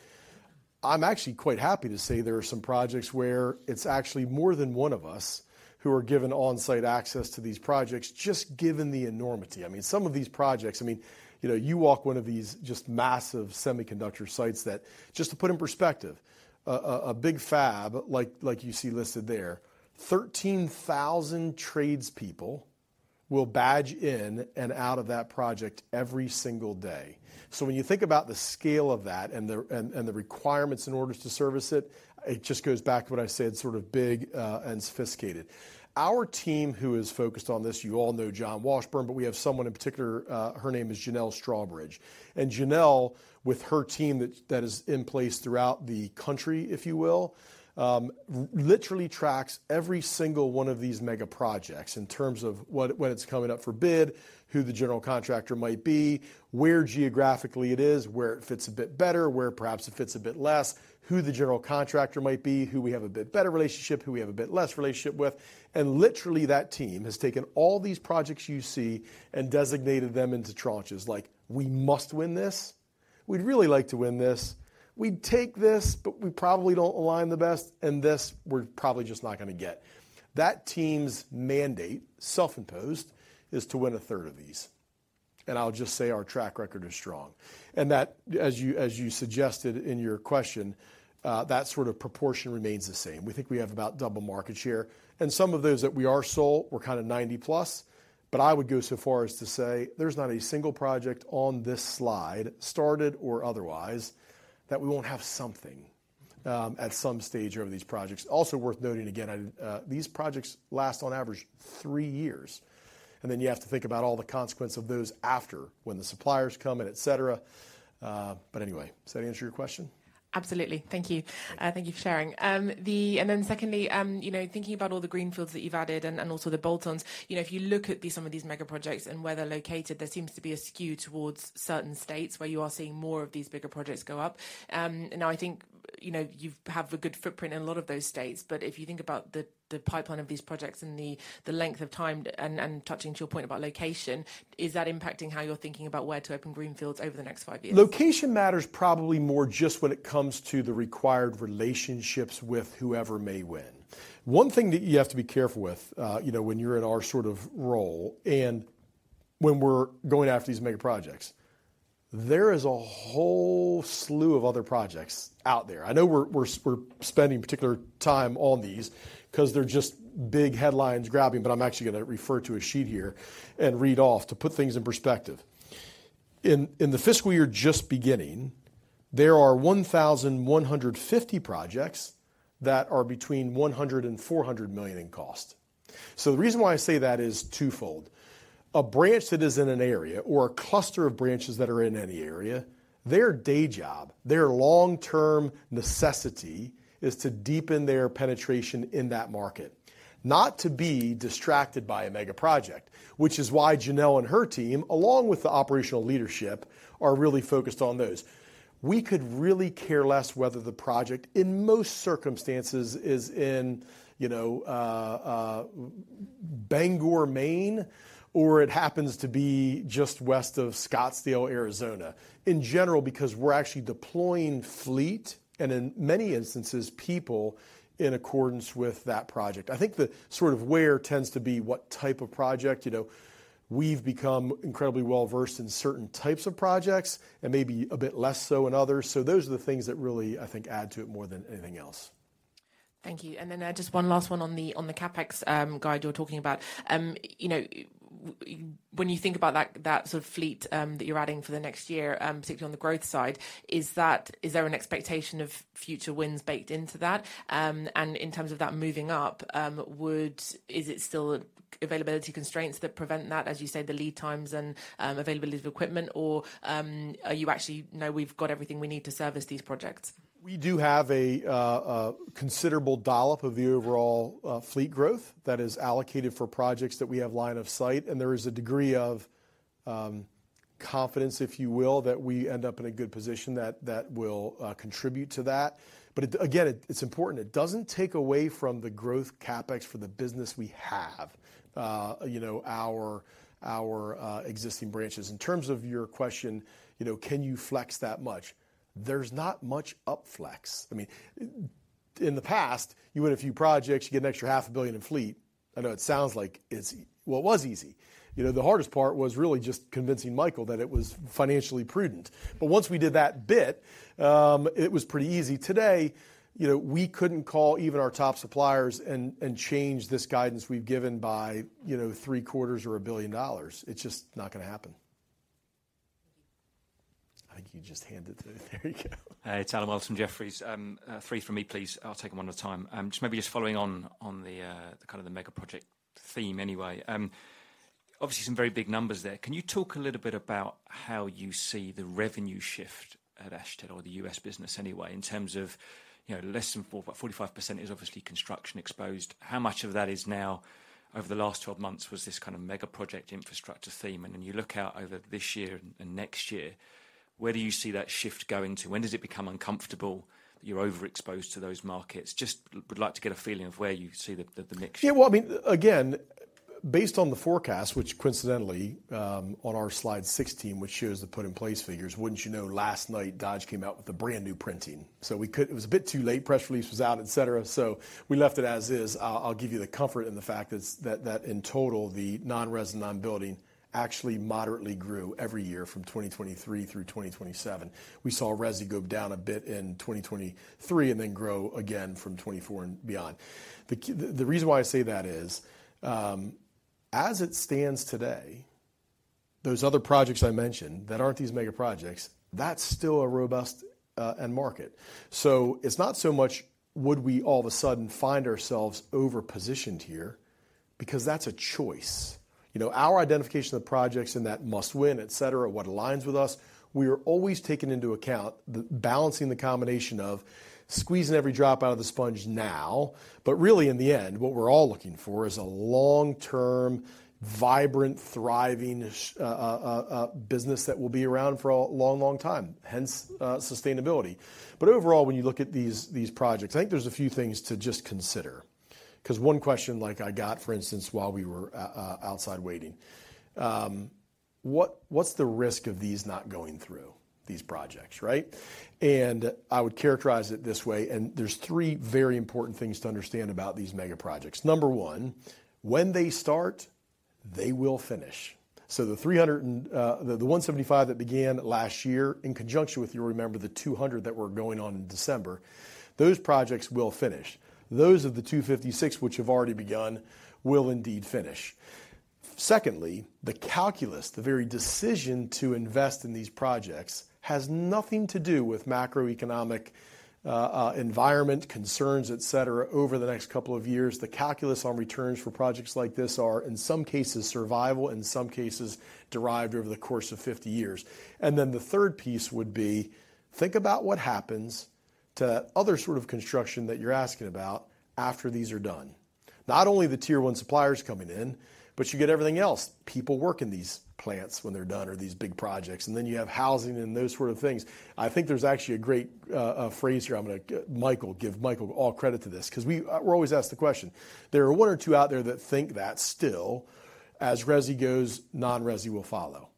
I'm actually quite happy to say there are some projects where it's actually more than one of us who are given on-site access to these projects, just given the enormity. I mean, some of these projects, I mean, you know, you walk one of these just massive semiconductor sites that, just to put in perspective, a big fab like you see listed there, 13,000 tradespeople will badge in and out of that project every single day. When you think about the scale of that and the requirements in order to service it just goes back to what I said, sort of big and sophisticated. Our team, who is focused on this, you all know John Washburn, but we have someone in particular, her name is Janelle Strawbridge. Janelle, with her team that is in place throughout the country, if you will, literally tracks every single one of these mega projects in terms of when it's coming up for bid, who the general contractor might be, where geographically it is, where it fits a bit better, where perhaps it fits a bit less, who the general contractor might be, who we have a bit better relationship, who we have a bit less relationship with. Literally, that team has taken all these projects you see and designated them into tranches. Like, we must win this. We'd really like to win this. We'd take this, but we probably don't align the best, and this, we're probably just not gonna get. That team's mandate, self-imposed, is to win 1/3 of these, and I'll just say our track record is strong. That, as you suggested in your question, that sort of proportion remains the same. We think we have about 2x market share, and some of those that we are sold were kind of 90+, but I would go so far as to say there's not a single project on this slide, started or otherwise, that we won't have something at some stage over these projects. Also worth noting again, and, these projects last, on average, 3 years, and then you have to think about all the consequence of those after when the suppliers come in, et cetera. Anyway, does that answer your question? Absolutely. Thank you. Yeah. Thank you for sharing. Then secondly, you know, thinking about all the greenfields that you've added and also the bolt-ons, you know, if you look at these, some of these megaprojects and where they're located, there seems to be a skew towards certain states where you are seeing more of these bigger projects go up. I think, you know, you've have a good footprint in a lot of those states, but if you think about the pipeline of these projects and the length of time, and touching to your point about location, is that impacting how you're thinking about where to open greenfields over the next five years? Location matters probably more just when it comes to the required relationships with whoever may win. One thing that you have to be careful with, you know, when you're in our sort of role and when we're going after these mega projects, there is a whole slew of other projects out there. I know we're spending particular time on these 'cause they're just big headlines grabbing, but I'm actually gonna refer to a sheet here and read off to put things in perspective. In the fiscal year just beginning, there are 1,150 projects that are between $100 million and $400 million in cost. The reason why I say that is twofold. A branch that is in an area or a cluster of branches that are in any area, their day job, their long-term necessity, is to deepen their penetration in that market, not to be distracted by a mega project, which is why Janelle and her team, along with the operational leadership, are really focused on those. We could really care less whether the project, in most circumstances, is in, you know, Bangor, Maine, or it happens to be just west of Scottsdale, Arizona. In general, because we're actually deploying fleet and in many instances, people in accordance with that project. I think the sort of where tends to be what type of project, you know, we've become incredibly well-versed in certain types of projects and maybe a bit less so in others. Those are the things that really, I think, add to it more than anything else. Thank you. Just one last one on the CapEx guide you were talking about. You know, when you think about that sort of fleet that you're adding for the next year, particularly on the growth side, is that? Is there an expectation of future wins baked into that? In terms of that moving up, is it still availability constraints that prevent that, as you say, the lead times and availability of equipment? Or are you actually, "No, we've got everything we need to service these projects? We do have a considerable dollop of the overall fleet growth that is allocated for projects that we have line of sight, and there is a degree of confidence, if you will, that we end up in a good position that will contribute to that. It again, it's important. It doesn't take away from the growth CapEx for the business we have, you know, our existing branches. In terms of your question, you know, can you flex that much? There's not much up flex. I mean, in the past, you had a few projects, you get an extra half a billion dollars in fleet. I know it sounds like it's Well, it was easy. You know, the hardest part was really just convincing Michael that it was financially prudent. Once we did that bit, it was pretty easy. Today, you know, we couldn't call even our top suppliers and change this guidance we've given by, you know, three-quarters or $1 billion. It's just not gonna happen. I think you just hand it to, there you go. It's Allen Wells from Jefferies. Three from me, please. I'll take them one at a time. Just maybe just following on the kind of the mega project theme anyway. Obviously, some very big numbers there. Can you talk a little bit about how you see the revenue shift at Ashtead or the U.S. business anyway, in terms of, you know, less than 4, about 45% is obviously construction exposed. How much of that is now, over the last 12 months, was this kind of mega project infrastructure theme? Then you look out over this year and next year, where do you see that shift going to? When does it become uncomfortable that you're overexposed to those markets? Just would like to get a feeling of where you see the, the mix. Yeah, well, I mean, again, based on the forecast, which coincidentally, on our slide 16, which shows the put-in-place figures, wouldn't you know, last night, Dodge came out with a brand-new printing. It was a bit too late. Press release was out, et cetera, we left it as is. I'll give you the comfort in the fact that in total, the non-res and non-building actually moderately grew every year from 2023 through 2027. We saw resi go down a bit in 2023 and then grow again from 2024 and beyond. The reason why I say that is, as it stands today, those other projects I mentioned that aren't these mega projects, that's still a robust end market. It's not so much would we all of a sudden find ourselves over-positioned here? That's a choice. You know, our identification of the projects and that must win, et cetera, what aligns with us, we are always taking into account the balancing the combination of squeezing every drop out of the sponge now, but really, in the end, what we're all looking for is a long-term, vibrant, thriving business that will be around for a long, long time, hence, sustainability. Overall, when you look at these projects, I think there's a few things to just consider, because one question like I got, for instance, while we were outside waiting: What's the risk of these not going through these projects, right? I would characterize it this way, and there's 3 very important things to understand about these mega projects. Number one, when they start, they will finish. The 300 and the 175 that began last year, in conjunction with, you remember, the 200 that were going on in December, those projects will finish. Those of the 256, which have already begun, will indeed finish. Secondly, the calculus, the very decision to invest in these projects, has nothing to do with macroeconomic environment concerns, et cetera, over the next couple of years. The calculus on returns for projects like this are, in some cases, survival, and in some cases, derived over the course of 50 years. The third piece would be, think about what happens to other sort of construction that you're asking about after these are done. Not only the tier one suppliers coming in, but you get everything else. People work in these plants when they're done or these big projects, and then you have housing and those sort of things. I think there's actually a great phrase here. I'm gonna give Michael all credit to this, 'cause we're always asked the question. There are one or two out there that think that still, as resi goes, non-resi will follow.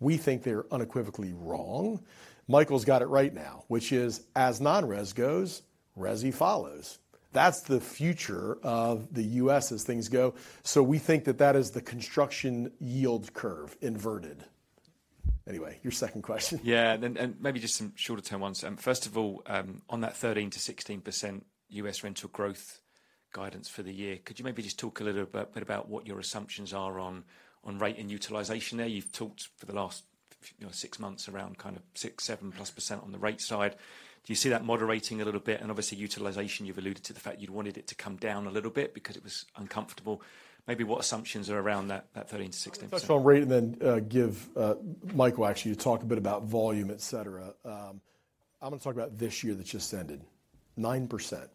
We think they're unequivocally wrong. Michael's got it right now, which is, as non-res goes, resi follows. That's the future of the U.S. as things go. We think that that is the construction yield curve inverted. Anyway, your second question? Yeah, maybe just some shorter-term ones. First of all, on that 13%-16% US rental growth guidance for the year, could you maybe just talk a little bit about what your assumptions are on rate and utilization there? You've talked for the last, you know, 6 months around kind of 6%, 7%+ on the rate side. Do you see that moderating a little bit? Obviously, utilization, you've alluded to the fact you'd wanted it to come down a little bit because it was uncomfortable. Maybe what assumptions are around that 13%-16%? Talk about rate and then give Michael, actually, to talk a bit about volume, et cetera. I'm gonna talk about this year that just ended. 9%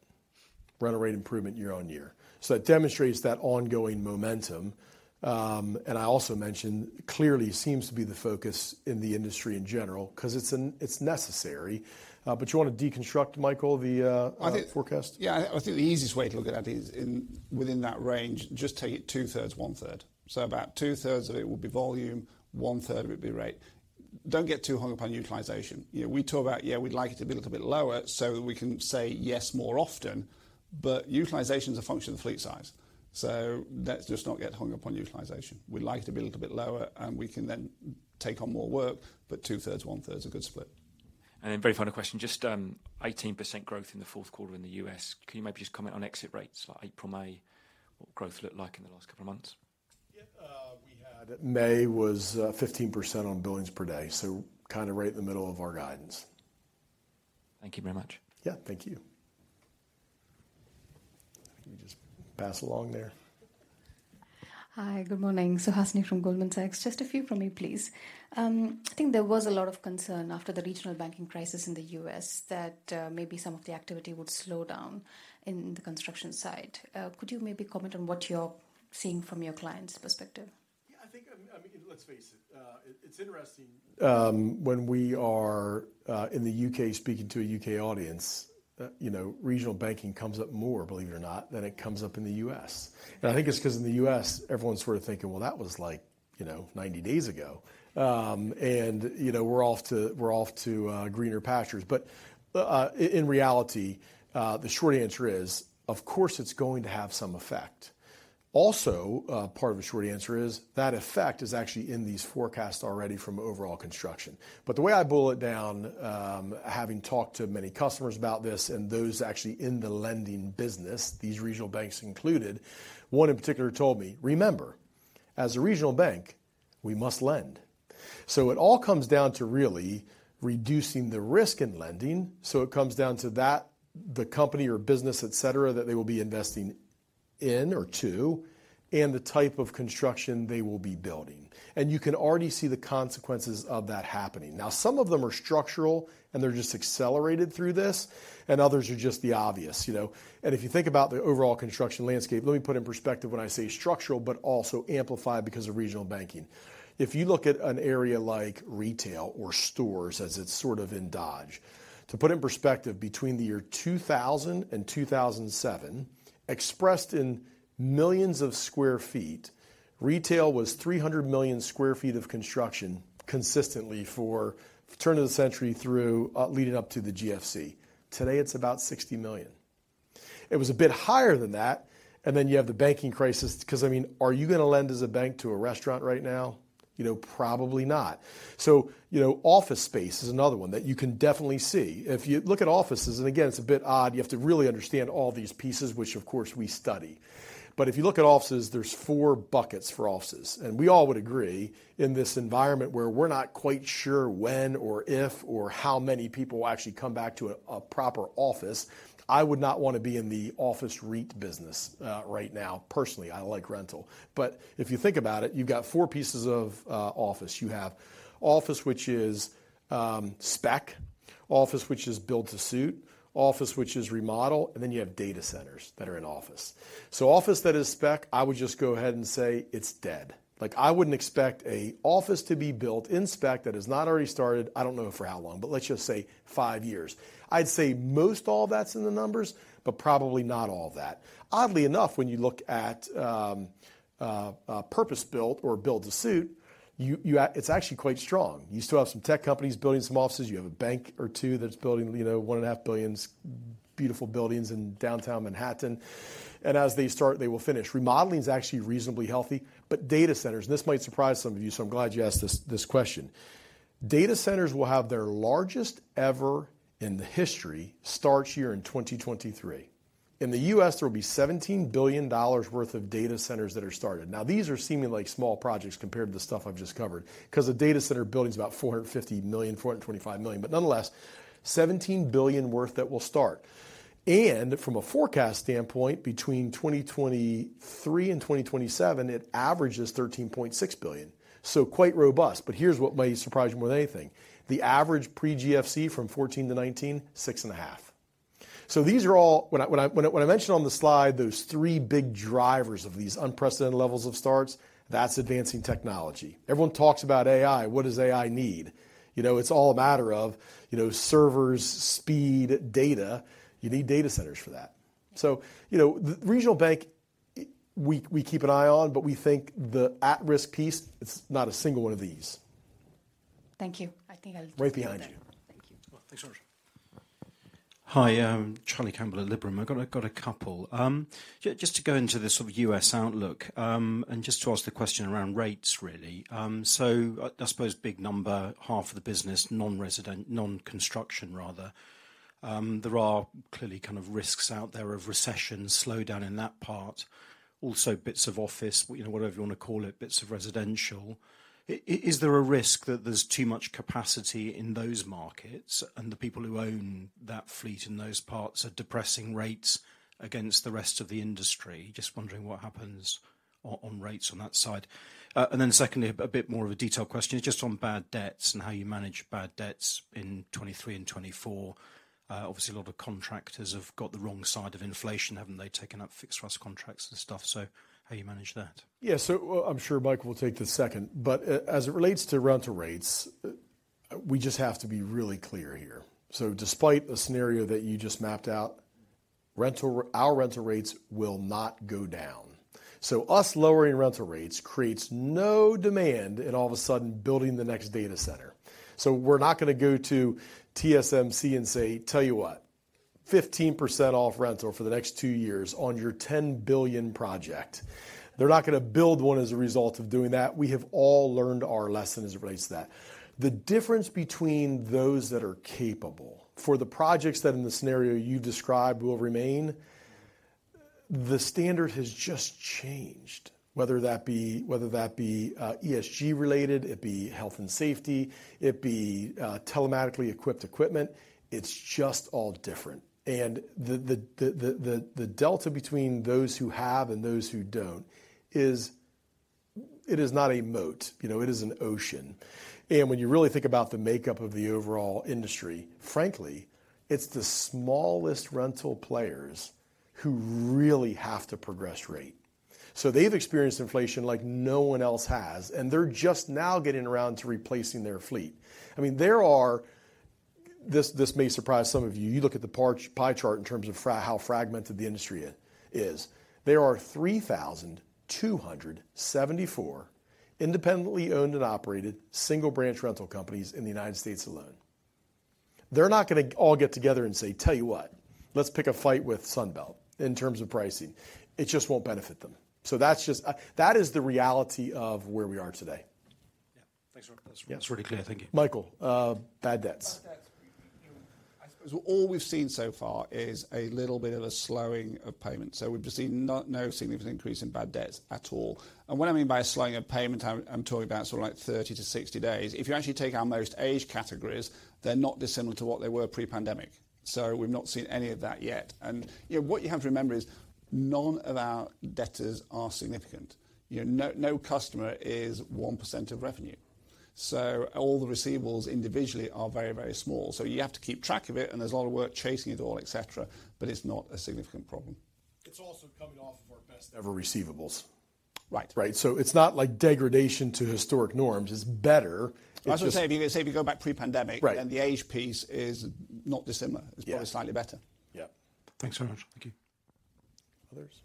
rental rate improvement year-over-year. It demonstrates that ongoing momentum, I also mentioned, clearly seems to be the focus in the industry in general 'cause It's necessary. You want to deconstruct, Michael, the. I think- forecast? Yeah, I think the easiest way to look at that is within that range, just take it two-thirds, one-third. About two-thirds of it will be volume, one-third would be rate. Don't get too hung up on utilization. You know, we talk about, yeah, we'd like it to be a little bit lower so we can say yes more often. Utilization is a function of fleet size. Let's just not get hung up on utilization. We'd like to be a little bit lower, and we can then take on more work. Two-thirds, one-third is a good split. Very final question, just, 18% growth in the fourth quarter in the US. Can you maybe just comment on exit rates like April, May? What growth looked like in the last couple of months? Yeah, May was 15% on billings per day, so kind of right in the middle of our guidance. Thank you very much. Yeah, thank you. Let me just pass along there. Hi, good morning. Suhasini from Goldman Sachs. Just a few from me, please. I think there was a lot of concern after the regional banking crisis in the U.S., that, maybe some of the activity would slow down in the construction side. Could you maybe comment on what you're seeing from your clients' perspective? I think, I mean, let's face it's interesting, when we are, in the U.K. speaking to a U.K. audience, you know, regional banking comes up more, believe it or not, than it comes up in the US. I think it's 'cause in the US, everyone's sort of thinking, "Well, that was like, you know, 90 days ago." You know, we're off to greener pastures. In reality, the short answer is, of course, it's going to have some effect. Part of the short answer is, that effect is actually in these forecasts already from overall construction. The way I boil it down, having talked to many customers about this and those actually in the lending business, these regional banks included, one in particular told me, "Remember, as a regional bank, we must lend." It all comes down to really reducing the risk in lending, so it comes down to that, the company or business, et cetera, that they will be investing in or to, and the type of construction they will be building. You can already see the consequences of that happening. Now, some of them are structural, and they're just accelerated through this, and others are just the obvious, you know. If you think about the overall construction landscape, let me put in perspective when I say structural, but also amplified because of regional banking. If you look at an area like retail or stores, as it's sort of in Dodge, to put in perspective, between the year 2000 and 2007, expressed in millions of sq ft, retail was 300 million sq ft of construction consistently for turn of the century through, leading up to the GFC. Today, it's about 60 million sq ft It was a bit higher than that, then you have the banking crisis, 'cause, I mean, are you gonna lend as a bank to a restaurant right now? You know, probably not. You know, office space is another one that you can definitely see. If you look at offices, again, it's a bit odd, you have to really understand all these pieces, which of course we study. If you look at offices, there's four buckets for offices, and we all would agree, in this environment where we're not quite sure when or if or how many people will actually come back to a proper office, I would not want to be in the office REIT business right now. Personally, I like rental. If you think about it, you've got four pieces of office. You have office, which is spec, office which is built to suit, office which is remodel, and then you have data centers that are in office. Office that is spec, I would just go ahead and say it's dead. Like, I wouldn't expect a office to be built in spec that has not already started, I don't know for how long, but let's just say five years. I'd say most all that's in the numbers, but probably not all of that. Oddly enough, when you look at purpose built or build to suit, it's actually quite strong. You still have some tech companies building some offices. You have a bank or two that's building, you know, one and a half billions, beautiful buildings in downtown Manhattan, and as they start, they will finish. Remodeling is actually reasonably healthy, but data centers, and this might surprise some of you, so I'm glad you asked this question. Data centers will have their largest ever in the history, starts here in 2023. In the U.S., there will be $17 billion worth of data centers that are started. These are seeming like small projects compared to the stuff I've just covered, 'cause a data center building is about $450 million, $425 million, nonetheless, $17 billion worth that will start. From a forecast standpoint, between 2023 and 2027, it averages $13.6 billion, quite robust. Here's what may surprise you more than anything. The average pre-GFC from 2014 to 2019, 6.5. These are all... When I mentioned on the slide, those three big drivers of these unprecedented levels of starts, that's advancing technology. Everyone talks about AI. What does AI need? You know, it's all a matter of, you know, servers, speed, data. You need data centers for that. you know, the regional bank, we keep an eye on, but we think the at-risk piece, it's not a single one of these. Thank you. I think. Right behind you. Thank you. Well, thanks very much. Hi, Charlie Campbell at Liberum. I've got a couple. Just to go into the sort of U.S. outlook, and just to ask the question around rates, really. I suppose big number, half of the business, non-resident, non-construction rather. There are clearly kind of risks out there of recession, slowdown in that part, also bits of office, you know, whatever you wanna call it, bits of residential. Is there a risk that there's too much capacity in those markets, and the people who own that fleet in those parts are depressing rates against the rest of the industry? Just wondering what happens on rates on that side. Then secondly, a bit more of a detailed question, just on bad debts and how you manage bad debts in 2023 and 2024. Obviously, a lot of the contractors have got the wrong side of inflation, haven't they, taking up fixed price contracts and stuff, so how do you manage that? Well, I'm sure Mike will take the second, but as it relates to rental rates, we just have to be really clear here. Despite the scenario that you just mapped out, our rental rates will not go down. Us lowering rental rates creates no demand, and all of a sudden, building the next data center. We're not gonna go to TSMC and say, "Tell you what, 15% off rental for the next two years on your $10 billion project." They're not gonna build one as a result of doing that. We have all learned our lesson as it relates to that. The difference between those that are capable, for the projects that in the scenario you described will remain, the standard has just changed, whether that be, whether that be ESG related, it be health and safety, it be telematically equipped equipment, it's just all different. The delta between those who have and those who don't is. It is not a moat, you know, it is an ocean. When you really think about the makeup of the overall industry, frankly, it's the smallest rental players who really have to progress rate. They've experienced inflation like no one else has, and they're just now getting around to replacing their fleet. I mean, there are. This may surprise some of you. You look at the pie chart in terms of how fragmented the industry is. There are 3,274 independently owned and operated single branch rental companies in the United States alone. They're not gonna all get together and say, "Tell you what, let's pick a fight with Sunbelt in terms of pricing." It just won't benefit them. That is the reality of where we are today. Yeah. Thanks very much. That's really clear. Thank you. Michael, bad debts. Bad debts. All we've seen so far is a little bit of a slowing of payments, so we've just seen no significant increase in bad debts at all. What I mean by a slowing of payment, I'm talking about sort of like 30 to 60 days. If you actually take our most aged categories, they're not dissimilar to what they were pre-pandemic. We've not seen any of that yet. You know, what you have to remember is, none of our debtors are significant. You know, no customer is 1% of revenue. All the receivables individually are very, very small. You have to keep track of it, and there's a lot of work chasing it all, et cetera, but it's not a significant problem. It's also coming off of our best ever receivables. Right. Right. So it's not like degradation to historic norms. It's better, it's just- I was gonna say, if you go back pre-pandemic- Right the age piece is not dissimilar... Yeah it's probably slightly better. Yeah. Thanks very much. Thank you. Others?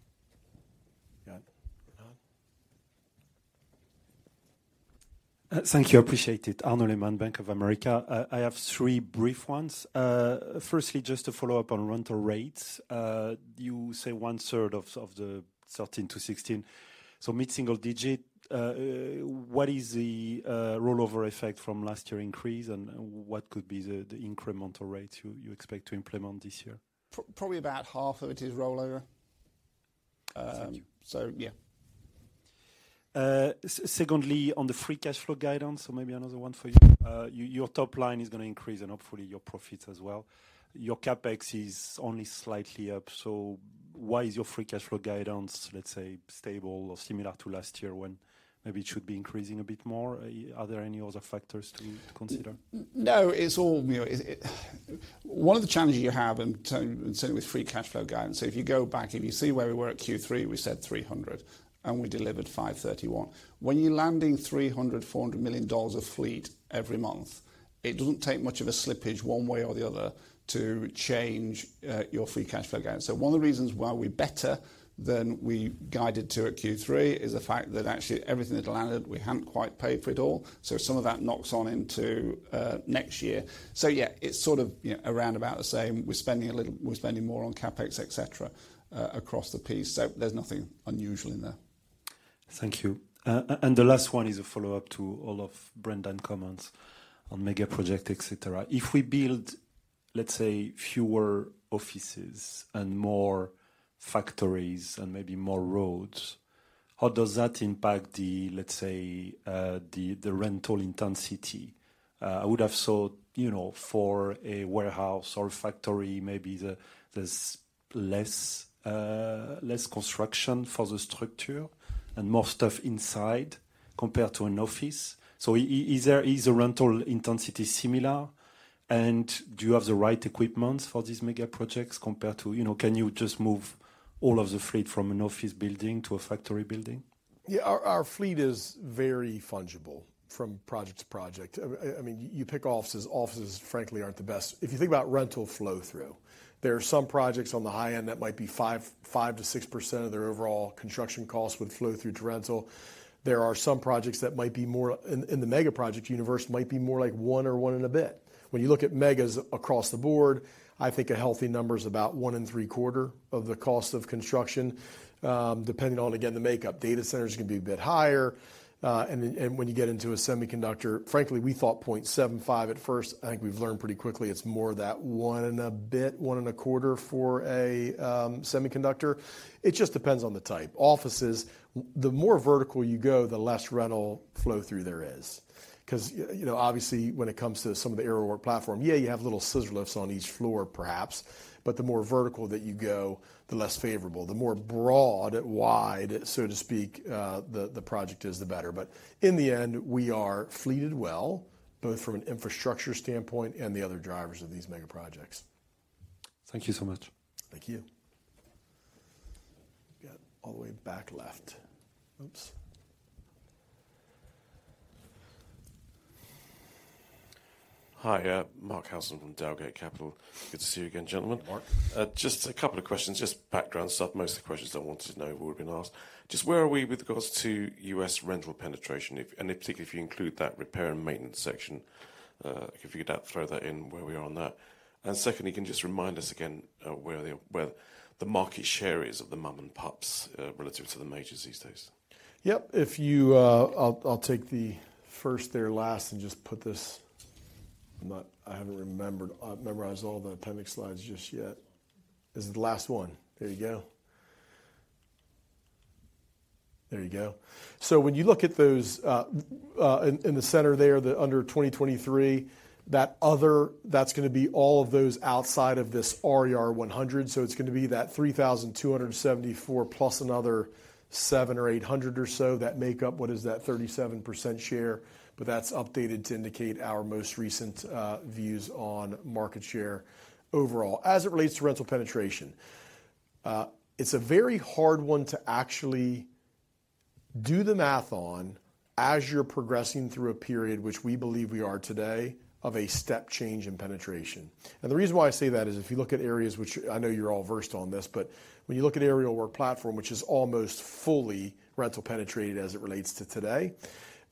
Yeah. Thank you. I appreciate it. Arnaud Lehmann, Bank of America. I have three brief ones. Firstly, just to follow up on rental rates. You say one third of the 13-16, so mid-single digit. What is the rollover effect from last year increase, and what could be the incremental rates you expect to implement this year? Probably about half of it is rollover. Thank you. Yeah. Secondly, on the free cash flow guidance, maybe another one for you. Your top line is gonna increase and hopefully your profits as well. Your CapEx is only slightly up, why is your free cash flow guidance, let's say, stable or similar to last year, when maybe it should be increasing a bit more? Are there any other factors to consider? No, it's all, you know. One of the challenges you have in terms, certainly with free cash flow guidance, if you go back, if you see where we were at Q3, we said $300, and we delivered $531. When you're landing $300 million, $400 million of fleet every month, it doesn't take much of a slippage one way or the other to change your free cash flow guidance. One of the reasons why we're better than we guided to at Q3 is the fact that actually everything that landed, we hadn't quite paid for it all, so some of that knocks on into next year. Yeah, it's sort of, you know, around about the same. We're spending more on CapEx, et cetera, across the piece, so there's nothing unusual in there. Thank you. The last one is a follow-up to all of Brendan comments on mega project, et cetera. If we build, let's say, fewer offices and more factories and maybe more roads, how does that impact the, let's say, the rental intensity? I would have thought, you know, for a warehouse or factory, maybe there's less construction for the structure and more stuff inside, compared to an office. Is the rental intensity similar, and do you have the right equipment for these mega projects compared to... You know, can you just move all of the fleet from an office building to a factory building? Yeah, our fleet is very fungible from project to project. I mean, you pick offices, frankly, aren't the best. If you think about rental flow-through, there are some projects on the high end that might be 5-6% of their overall construction costs would flow through to rental. There are some projects that might be more, in the mega project universe, might be more like one or one and a bit. When you look at megas across the board, I think a healthy number is about one and three quarter of the cost of construction, depending on, again, the makeup. Data centers can be a bit higher, and then, when you get into a semiconductor... Frankly, we thought 0.75 at first. I think we've learned pretty quickly it's more that one and a bit, one and a quarter for a semiconductor. It just depends on the type. Offices, the more vertical you go, the less rental flow-through there is. 'Cause, you know, obviously, when it comes to some of the Aerial Work Platform, yeah, you have little scissor lifts on each floor, perhaps, but the more vertical that you go, the less favorable. The more broad and wide, so to speak, the project is, the better. In the end, we are fleeted well, both from an infrastructure standpoint and the other drivers of these mega projects. Thank you so much. Thank you. We got all the way back left. Oops! Hi, Mícheál O'Sullivan from Diameter Capital. Good to see you again, gentlemen. Mark. Just a couple of questions, just background stuff. Most of the questions I wanted to know have all been asked. Just where are we with regards to U.S. rental penetration, if, and particularly if you include that repair and maintenance section? If you could throw that in, where we are on that. Secondly, can you just remind us again, where the, where the market share is of the mom-and-pops, relative to the majors these days? Yep. If you, I'll take the first there last and just put this. I haven't remembered, memorized all the appendix slides just yet. This is the last one. There you go. There you go. When you look at those, in the center there, the under 2023, that other, that's gonna be all of those outside of this RER 100, so it's gonna be that 3,274 plus another 700 or 800 or so that make up, what is that? 37% share. That's updated to indicate our most recent views on market share overall. As it relates to rental penetration, it's a very hard one to actually do the math on as you're progressing through a period, which we believe we are today, of a step change in penetration. The reason why I say that is if you look at areas which, I know you're all versed on this, but when you look at Aerial Work Platform, which is almost fully rental penetrated as it relates to today,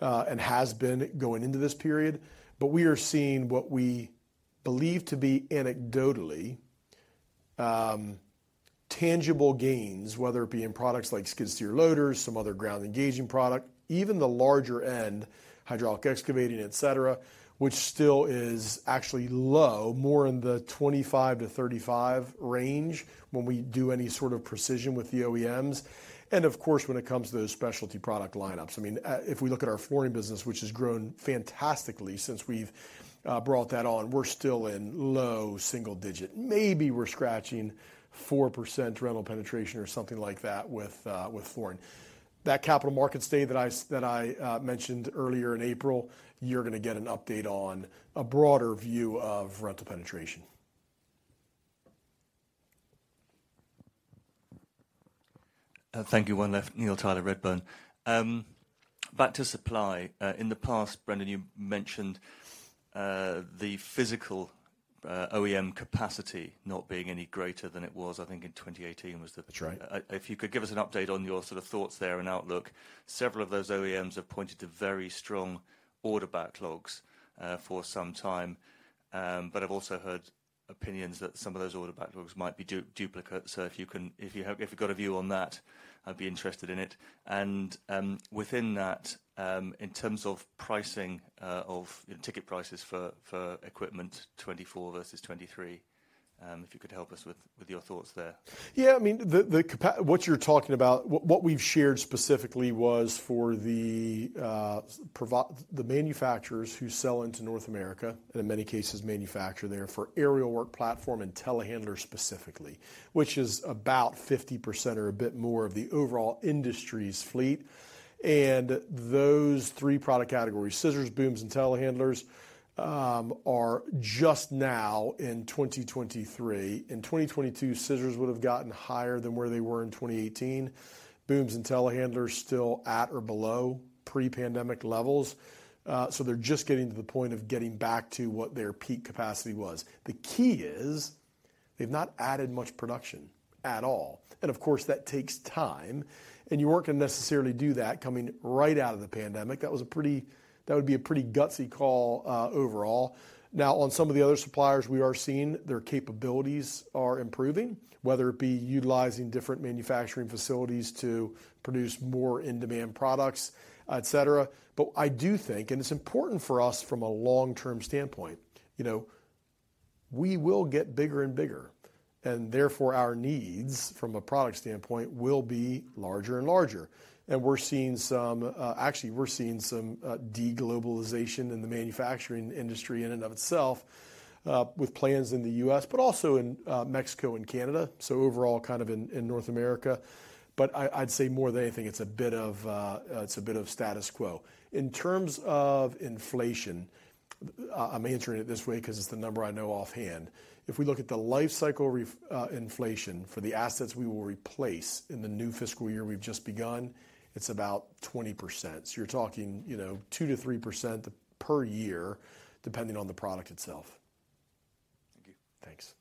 and has been going into this period. We are seeing what we believe to be anecdotally, tangible gains, whether it be in products like skid steer loaders, some other ground-engaging product, even the larger end, hydraulic excavating, et cetera, which still is actually low, more in the 25%-35% range when we do any sort of precision with the OEMs. Of course, when it comes to those specialty product lineups. I mean, if we look at our Flooring Solutions business, which has grown fantastically since we've brought that on, we're still in low single digits. Maybe we're scratching 4% rental penetration or something like that with Flooring. That capital market stay that I mentioned earlier in April, you're gonna get an update on a broader view of rental penetration. Thank you. One left. Neil Tyler, Redburn. Back to supply. In the past, Brendan, you mentioned the physical OEM capacity not being any greater than it was, I think, in 2018, was the- That's right. If you could give us an update on your sort of thoughts there and outlook. Several of those OEMs have pointed to very strong order backlogs, for some time. I've also heard opinions that some of those order backlogs might be duplicate. If you've got a view on that, I'd be interested in it. Within that, in terms of pricing of ticket prices for equipment 2024 versus 2023, if you could help us with your thoughts there. Yeah, I mean, what you're talking about, what we've shared specifically was for the manufacturers who sell into North America, and in many cases manufacture there for aerial work platform and telehandler specifically, which is about 50% or a bit more of the overall industry's fleet. Those three product categories, scissors, booms, and telehandlers, are just now in 2023. In 2022, scissors would have gotten higher than where they were in 2018. Booms and telehandlers still at or below pre-pandemic levels, they're just getting to the point of getting back to what their peak capacity was. The key is they've not added much production at all. Of course, that takes time, and you weren't going to necessarily do that coming right out of the pandemic. That would be a pretty gutsy call overall. On some of the other suppliers, we are seeing their capabilities are improving, whether it be utilizing different manufacturing facilities to produce more in-demand products, et cetera. I do think, and it's important for us from a long-term standpoint, you know, we will get bigger and bigger, and therefore, our needs, from a product standpoint, will be larger and larger. We're seeing some, actually, we're seeing some de-globalization in the manufacturing industry in and of itself, with plans in the U.S., but also in Mexico and Canada, so overall, kind of in North America. I'd say more than anything, it's a bit of, it's a bit of status quo. In terms of inflation, I'm answering it this way because it's the number I know offhand. If we look at the life cycle inflation for the assets we will replace in the new fiscal year we've just begun, it's about 20%. You're talking, you know, 2%-3% per year, depending on the product itself. Thank you. Thanks.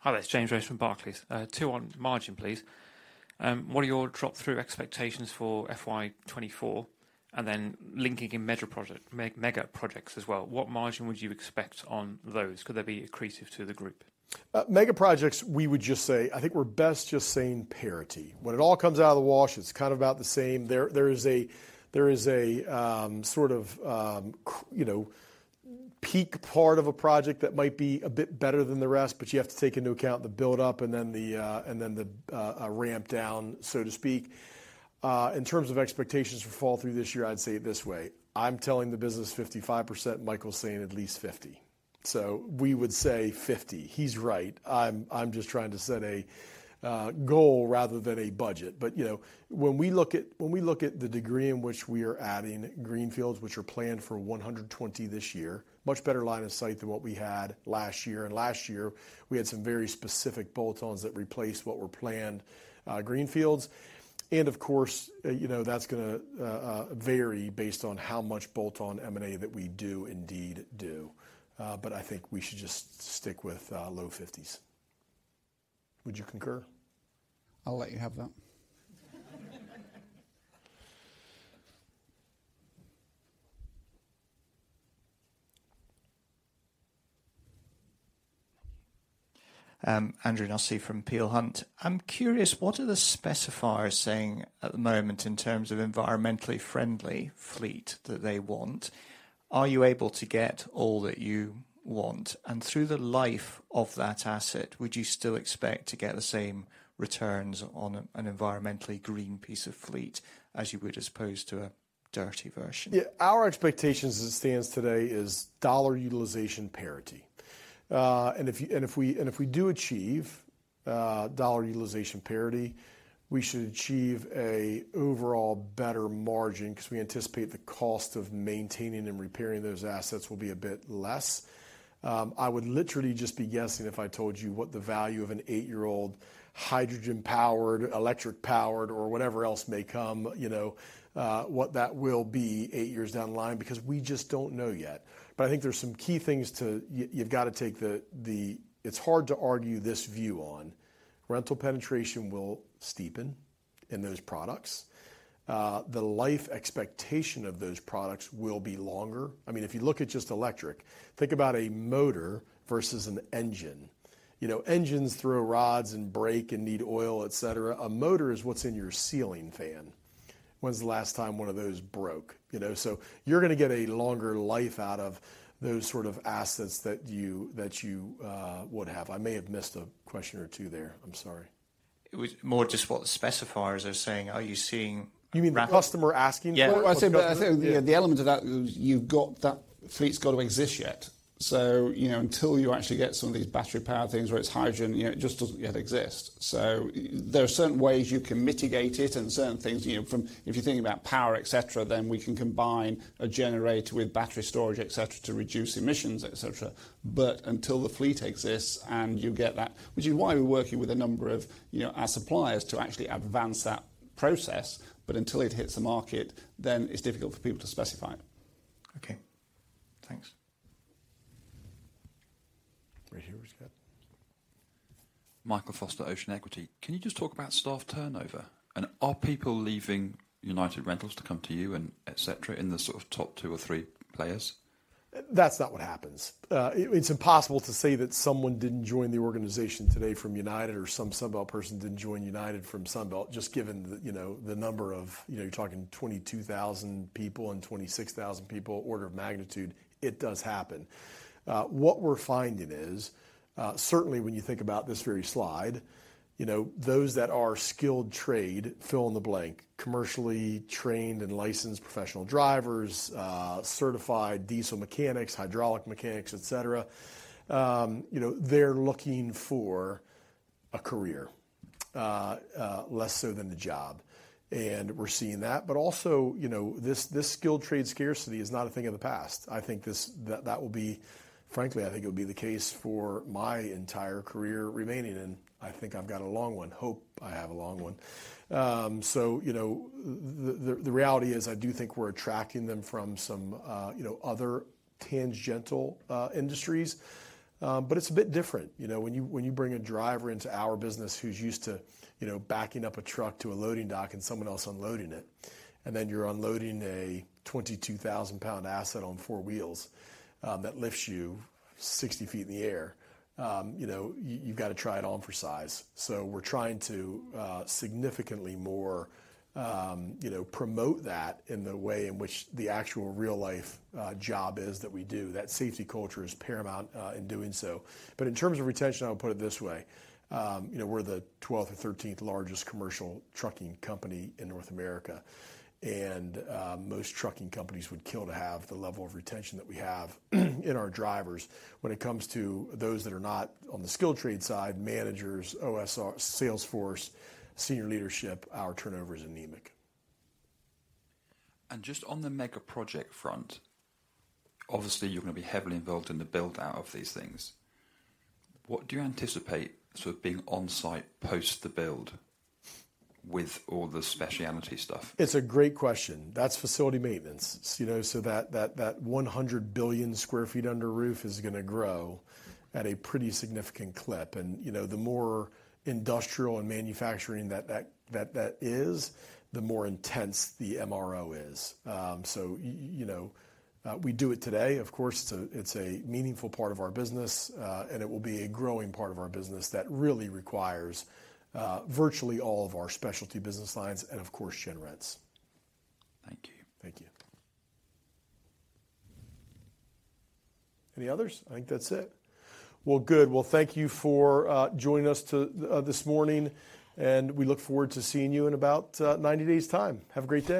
Hi, there. It's James Rose from Barclays. 2 on margin, please. What are your drop-through expectations for FY 2024? Linking in meta project, mega projects as well, what margin would you expect on those? Could they be accretive to the group? Mega projects, we would just say, I think we're best just saying parity. When it all comes out of the wash, it's kind of about the same. There is a sort of, you know, peak part of a project that might be a bit better than the rest, but you have to take into account the build-up and then the ramp down, so to speak. In terms of expectations for fall through this year, I'd say it this way: I'm telling the business 55%. Michael's saying at least 50. We would say 50. He's right. I'm just trying to set a goal rather than a budget. You know, when we look at the degree in which we are adding greenfields, which are planned for 120 this year, much better line of sight than what we had last year. Last year, we had some very specific bolt-ons that replaced what were planned greenfields. Of course, you know, that's gonna vary based on how much bolt-on M&A that we do indeed do. I think we should just stick with low fifties. Would you concur? I'll let you have that. Andrew Nussey from Peel Hunt. I'm curious, what are the specifiers saying at the moment in terms of environmentally friendly fleet that they want? Are you able to get all that you want? Through the life of that asset, would you still expect to get the same returns on an environmentally green piece of fleet as you would as opposed to a dirty version? Yeah, our expectations, as it stands today, is dollar utilization parity. If we do achieve dollar utilization parity, we should achieve a overall better margin because we anticipate the cost of maintaining and repairing those assets will be a bit less. I would literally just be guessing if I told you what the value of an 8-year-old hydrogen-powered, electric-powered, or whatever else may come, you know, what that will be 8 years down the line, because we just don't know yet. I think there's some key things to. You've got to take the It's hard to argue this view on. Rental penetration will steepen in those products. The life expectation of those products will be longer. I mean, if you look at just electric, think about a motor versus an engine. You know, engines throw rods and break and need oil, et cetera. A motor is what's in your ceiling fan. When's the last time one of those broke? You know, so you're gonna get a longer life out of those sort of assets that you, that you would have. I may have missed a question or two there. I'm sorry. It was more just what the specifiers are saying. Are you seeing-? You mean the customer asking? Yeah. Well, I'd say, but I think the element of that is That fleet's got to exist yet. You know, until you actually get some of these battery-powered things where it's hydrogen, you know, it just doesn't yet exist. There are certain ways you can mitigate it and certain things, you know, if you're thinking about power, et cetera, then we can combine a generator with battery storage, et cetera, to reduce emissions, et cetera. Until the fleet exists and you get that, which is why we're working with a number of, you know, our suppliers to actually advance that process, but until it hits the market, then it's difficult for people to specify it. Okay, thanks. Right here as well. Can you just talk about staff turnover? Are people leaving United Rentals to come to you and et cetera, in the sort of top two or three players? That's not what happens. it's impossible to say that someone didn't join the organization today from United Rentals or some Sunbelt Rentals person didn't join United Rentals from Sunbelt Rentals, just given the, you know, the number of, you know, you're talking 22,000 people and 26,000 people, order of magnitude, it does happen. What we're finding is, certainly when you think about this very slide, you know, those that are skilled trade, fill in the blank, commercially trained and licensed professional drivers, certified diesel mechanics, hydraulic mechanics, et cetera, you know, they're looking for a career, less so than the job, and we're seeing that. Also, you know, this skilled trade scarcity is not a thing of the past. I think this, that will be... frankly, I think it'll be the case for my entire career remaining, and I think I've got a long one. Hope I have a long one. You know, the reality is, I do think we're attracting them from some, you know, other tangential industries. It's a bit different, you know, when you, when you bring a driver into our business who's used to, you know, backing up a truck to a loading dock and someone else unloading it, and then you're unloading a 22,000-pound asset on four wheels that lifts you 60 ft in the air. You know, you've got to try it on for size. We're trying to significantly more, you know, promote that in the way in which the actual real-life job is that we do. That safety culture is paramount in doing so. In terms of retention, I would put it this way: You know, we're the 12th or 13th largest commercial trucking company in North America. Most trucking companies would kill to have the level of retention that we have in our drivers when it comes to those that are not on the skilled trades side, managers, OSR, sales force, senior leadership, our turnover is anemic. Just on the mega-project front, obviously, you're going to be heavily involved in the build-out of these things. What do you anticipate sort of being on-site post the build with all the specialty stuff? It's a great question. That's facility maintenance, you know, so that 100 billion sq ft under roof is gonna grow at a pretty significant clip. You know, the more industrial and manufacturing that is, the more intense the MRO is. So, you know, we do it today. Of course, it's a meaningful part of our business, and it will be a growing part of our business that really requires virtually all of our specialty business lines and, of course, GenRents. Thank you. Thank you. Any others? I think that's it. Well, good. Well, thank you for joining us this morning. We look forward to seeing you in about 90 days' time. Have a great day.